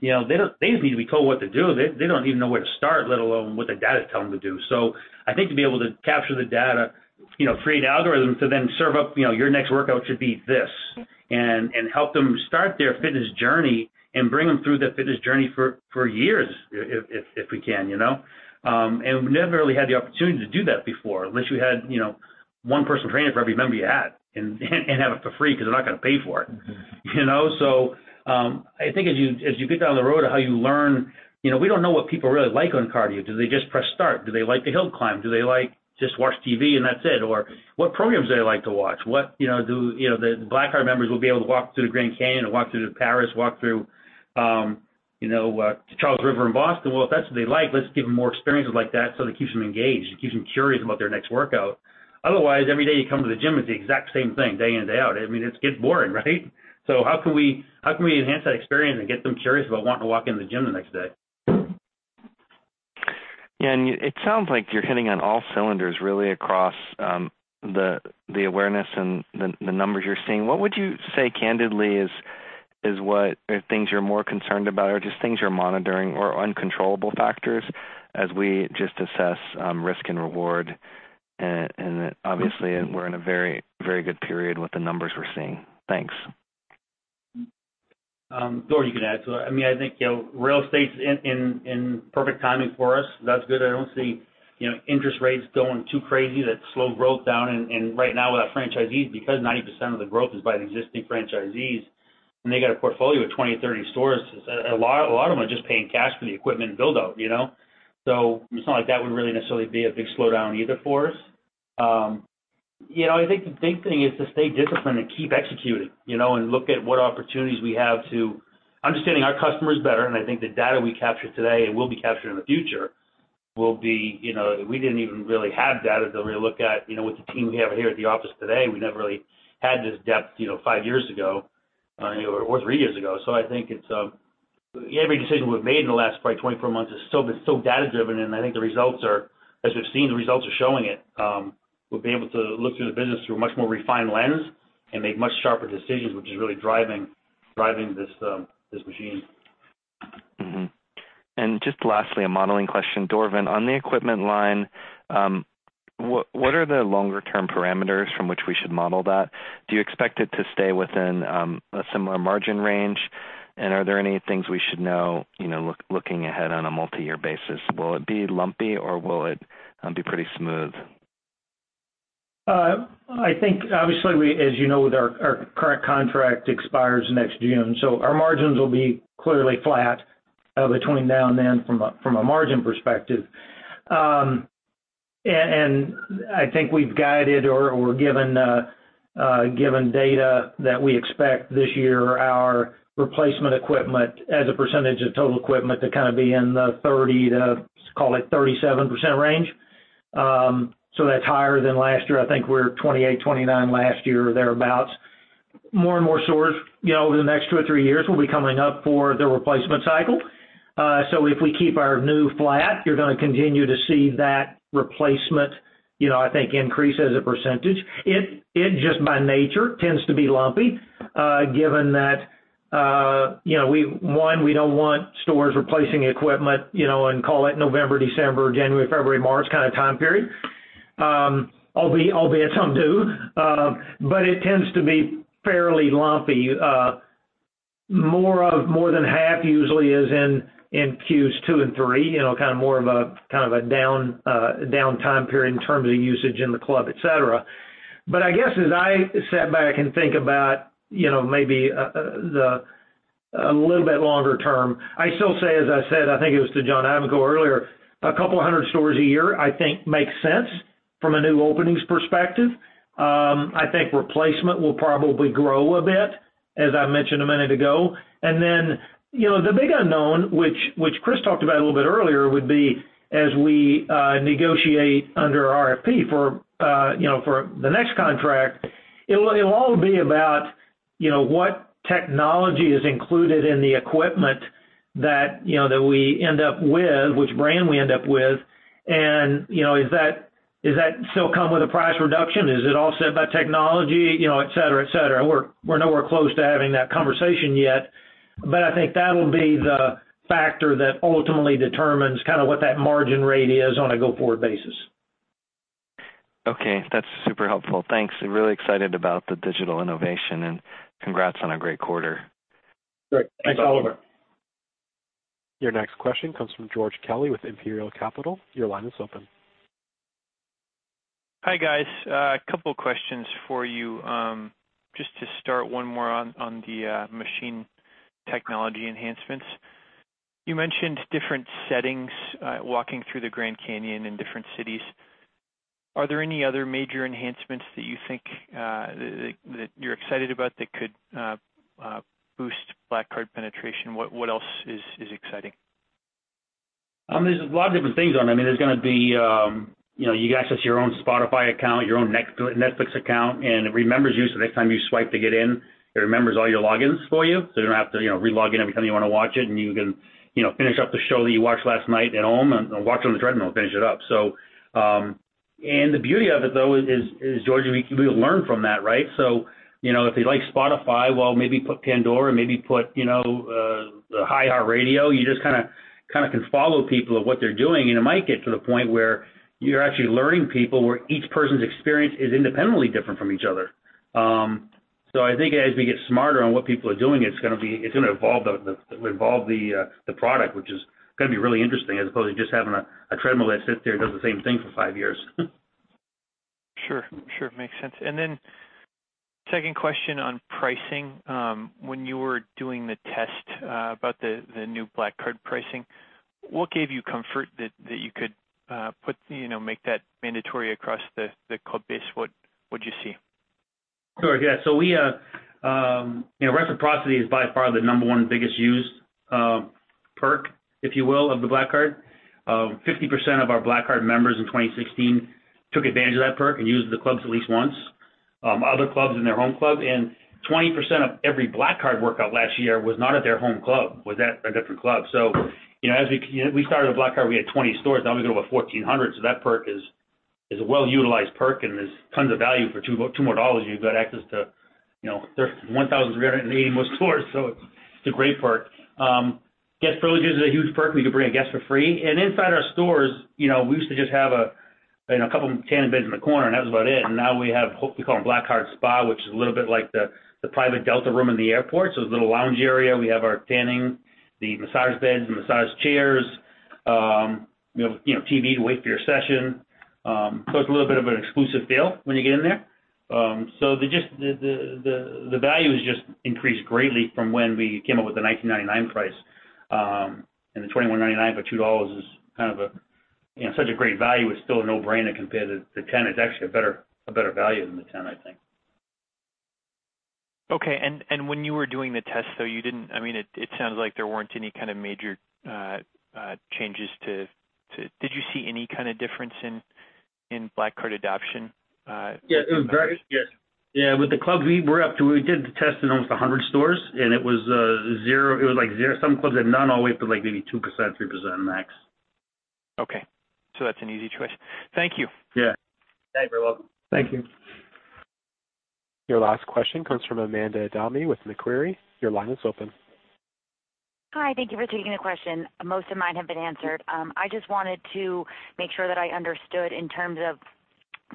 They just need to be told what to do. They don't even know where to start, let alone what the data's telling them to do. I think to be able to capture the data, create algorithms to then serve up, "Your next workout should be this," and help them start their fitness journey and bring them through the fitness journey for years if we can. We've never really had the opportunity to do that before, unless you had one personal trainer for every member you had, and have it for free because they're not going to pay for it. I think as you get down the road of how you learn, we don't know what people really like on cardio. Do they just press start? Do they like to hill climb? Do they like just watch TV and that's it? What programs do they like to watch? The Black Card members will be able to walk through the Grand Canyon or walk through Paris, walk through the Charles River in Boston. If that's what they like, let's give them more experiences like that so it keeps them engaged. It keeps them curious about their next workout. Otherwise, every day you come to the gym, it's the exact same thing, day in, day out. It gets boring, right? How can we enhance that experience and get them curious about wanting to walk into the gym the next day? It sounds like you're hitting on all cylinders, really, across the awareness and the numbers you're seeing. What would you say, candidly, are things you're more concerned about or just things you're monitoring or uncontrollable factors as we just assess risk and reward? Obviously, we're in a very good period with the numbers we're seeing. Thanks. Dorvin, you can add to that. I think real estate's in perfect timing for us. That's good. I don't see interest rates going too crazy that slow growth down, and right now with our franchisees, because 90% of the growth is by the existing franchisees, and they got a portfolio of 20, 30 stores. A lot of them are just paying cash for the equipment build-out. It's not like that would really necessarily be a big slowdown either for us. The big thing is to stay disciplined and keep executing, and look at what opportunities we have to understanding our customers better. I think the data we capture today and will be capturing in the future. We didn't even really have data to really look at with the team we have here at the office today. We never really had this depth five years ago or three years ago. I think every decision we've made in the last, probably, 24 months has been so data-driven, and I think the results are, as we've seen, the results are showing it. We'll be able to look through the business through a much more refined lens and make much sharper decisions, which is really driving this machine. Just lastly, a modeling question. Dorvin, on the equipment line, what are the longer-term parameters from which we should model that? Do you expect it to stay within a similar margin range? Are there any things we should know looking ahead on a multi-year basis? Will it be lumpy, or will it be pretty smooth? I think obviously, as you know, our current contract expires next June, our margins will be clearly flat between now and then from a margin perspective. I think we've guided or given data that we expect this year our replacement equipment as a percentage of total equipment to kind of be in the 30%-37% range. That's higher than last year. I think we were 28, 29 last year or thereabouts. More and more stores over the next two or three years will be coming up for their replacement cycle. If we keep our new flat, you're going to continue to see that replacement, I think, increase as a percentage. It just by nature tends to be lumpy, given that, one, we don't want stores replacing equipment and call it November, December, January, February, March kind of time period. Albeit some do. It tends to be fairly lumpy. More than half usually is in Q2 and Q3, more of a down time period in terms of the usage in the club, etc. I guess as I sat back and think about maybe a little bit longer term, I still say, as I said, I think it was to John Ivankoe earlier, a couple of 100 stores a year, I think makes sense from a new openings perspective. I think replacement will probably grow a bit, as I mentioned a minute ago. The big unknown, which Chris talked about a little bit earlier, would be as we negotiate under RFP for the next contract, it'll all be about what technology is included in the equipment that we end up with, which brand we end up with, and is that still come with a price reduction? Is it offset by technology? Etc. We're nowhere close to having that conversation yet, I think that'll be the factor that ultimately determines what that margin rate is on a go-forward basis. Okay. That's super helpful. Thanks. Really excited about the digital innovation and congrats on a great quarter. Great. Thanks, Oliver. Your next question comes from George Kelly with Imperial Capital. Your line is open. Hi, guys. A couple of questions for you. Just to start, one more on the machine technology enhancements. You mentioned different settings, walking through the Grand Canyon in different cities. Are there any other major enhancements that you're excited about that could boost Black Card penetration? What else is exciting? There's a lot of different things on there. There's going to be, you access your own Spotify account, your own Netflix account. It remembers you, so the next time you swipe to get in, it remembers all your logins for you, so you don't have to re-log in every time you want to watch it. You can finish up the show that you watched last night at home and watch it on the treadmill, finish it up. The beauty of it, though, is, George, we learn from that, right? If you like Spotify, well, maybe put Pandora, maybe put the iHeartRadio. You just kind of can follow people of what they're doing. It might get to the point where you're actually learning people where each person's experience is independently different from each other. I think as we get smarter on what people are doing, it's going to evolve the product, which is going to be really interesting, as opposed to just having a treadmill that sits there and does the same thing for 5 years. Sure. Makes sense. Second question on pricing. When you were doing the test about the new Black Card pricing, what gave you comfort that you could make that mandatory across the club base? What'd you see? Sure. Yeah. Reciprocity is by far the number one biggest used perk, if you will, of the Black Card. 50% of our Black Card members in 2016 took advantage of that perk and used the clubs at least once, other clubs than their home club. 20% of every Black Card workout last year was not at their home club, was at a different club. As we started with Black Card, we had 20 stores. Now we got over 1,400, so that perk is a well-utilized perk and is tons of value for $2. For $2, you've got access to 1,380 more stores, so it's a great perk. Guest privileges is a huge perk, where you can bring a guest for free. Inside our stores, we used to just have a couple of tanning beds in the corner and that was about it. Now we have, we call it Black Card Spa, which is a little bit like the private Delta room in the airport. There's a little lounge area. We have our tanning, the massage beds, the massage chairs. You have a TV to wait for your session. It's a little bit of an exclusive feel when you get in there. The value has just increased greatly from when we came up with the $19.99 price. The $21.99 for $2 is such a great value. It's still a no-brainer compared to the 10. It's actually a better value than the 10, I think. Okay. When you were doing the test, though, it sounds like there weren't any kind of major changes. Did you see any kind of difference in Black Card adoption? Yeah, with the clubs, we did the test in almost 100 stores, it was like zero. Some clubs had none. All the way up to maybe 2%, 3% max. Okay. That's an easy choice. Thank you. Yeah. You're welcome. Thank you. Your last question comes from Amanda Adami with Macquarie. Your line is open. Hi. Thank you for taking the question. Most of mine have been answered. I just wanted to make sure that I understood in terms of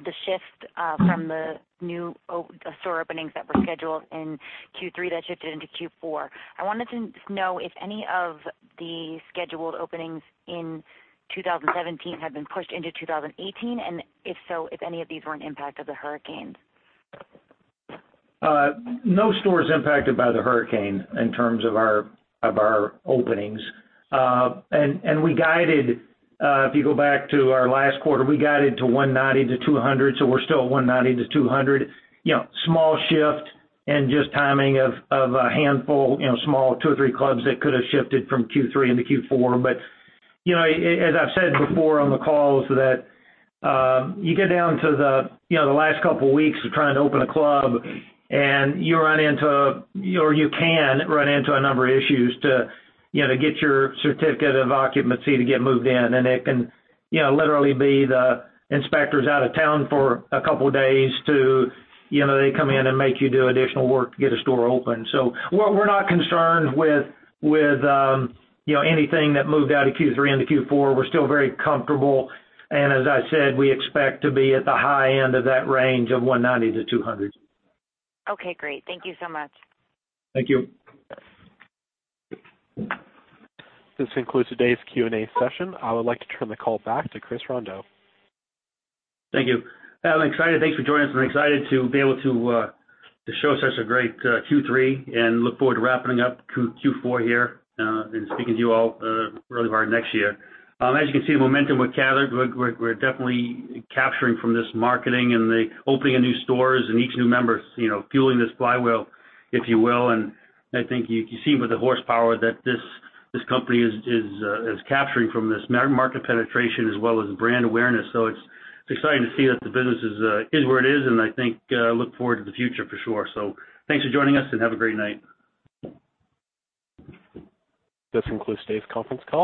the shift from the new store openings that were scheduled in Q3 that shifted into Q4. I wanted to know if any of the scheduled openings in 2017 have been pushed into 2018, and if so, if any of these were an impact of the hurricanes. No stores impacted by the hurricane in terms of our openings. We guided, if you go back to our last quarter, we guided to 190 to 200, so we're still at 190 to 200. Small shift and just timing of a handful, small two or three clubs that could have shifted from Q3 into Q4. As I've said before on the calls, that you get down to the last couple of weeks of trying to open a club and you run into, or you can run into a number of issues to get your certificate of occupancy to get moved in. It can literally be the inspector's out of town for a couple of days to, they come in and make you do additional work to get a store open. We're not concerned with anything that moved out of Q3 into Q4. We're still very comfortable. As I said, we expect to be at the high end of that range of 190 to 200. Okay, great. Thank you so much. Thank you. This concludes today's Q&A session. I would like to turn the call back to Chris Rondeau. Thank you. I'm excited. Thanks for joining us. I'm excited to be able to show such a great Q3 and look forward to wrapping up Q4 here, and speaking to you all early part of next year. As you can see, the momentum we've gathered, we're definitely capturing from this marketing and the opening of new stores and each new member fueling this flywheel, if you will. I think you can see with the horsepower that this company is capturing from this market penetration as well as brand awareness. It's exciting to see that the business is where it is, and I think look forward to the future for sure. Thanks for joining us, and have a great night. This concludes today's conference call.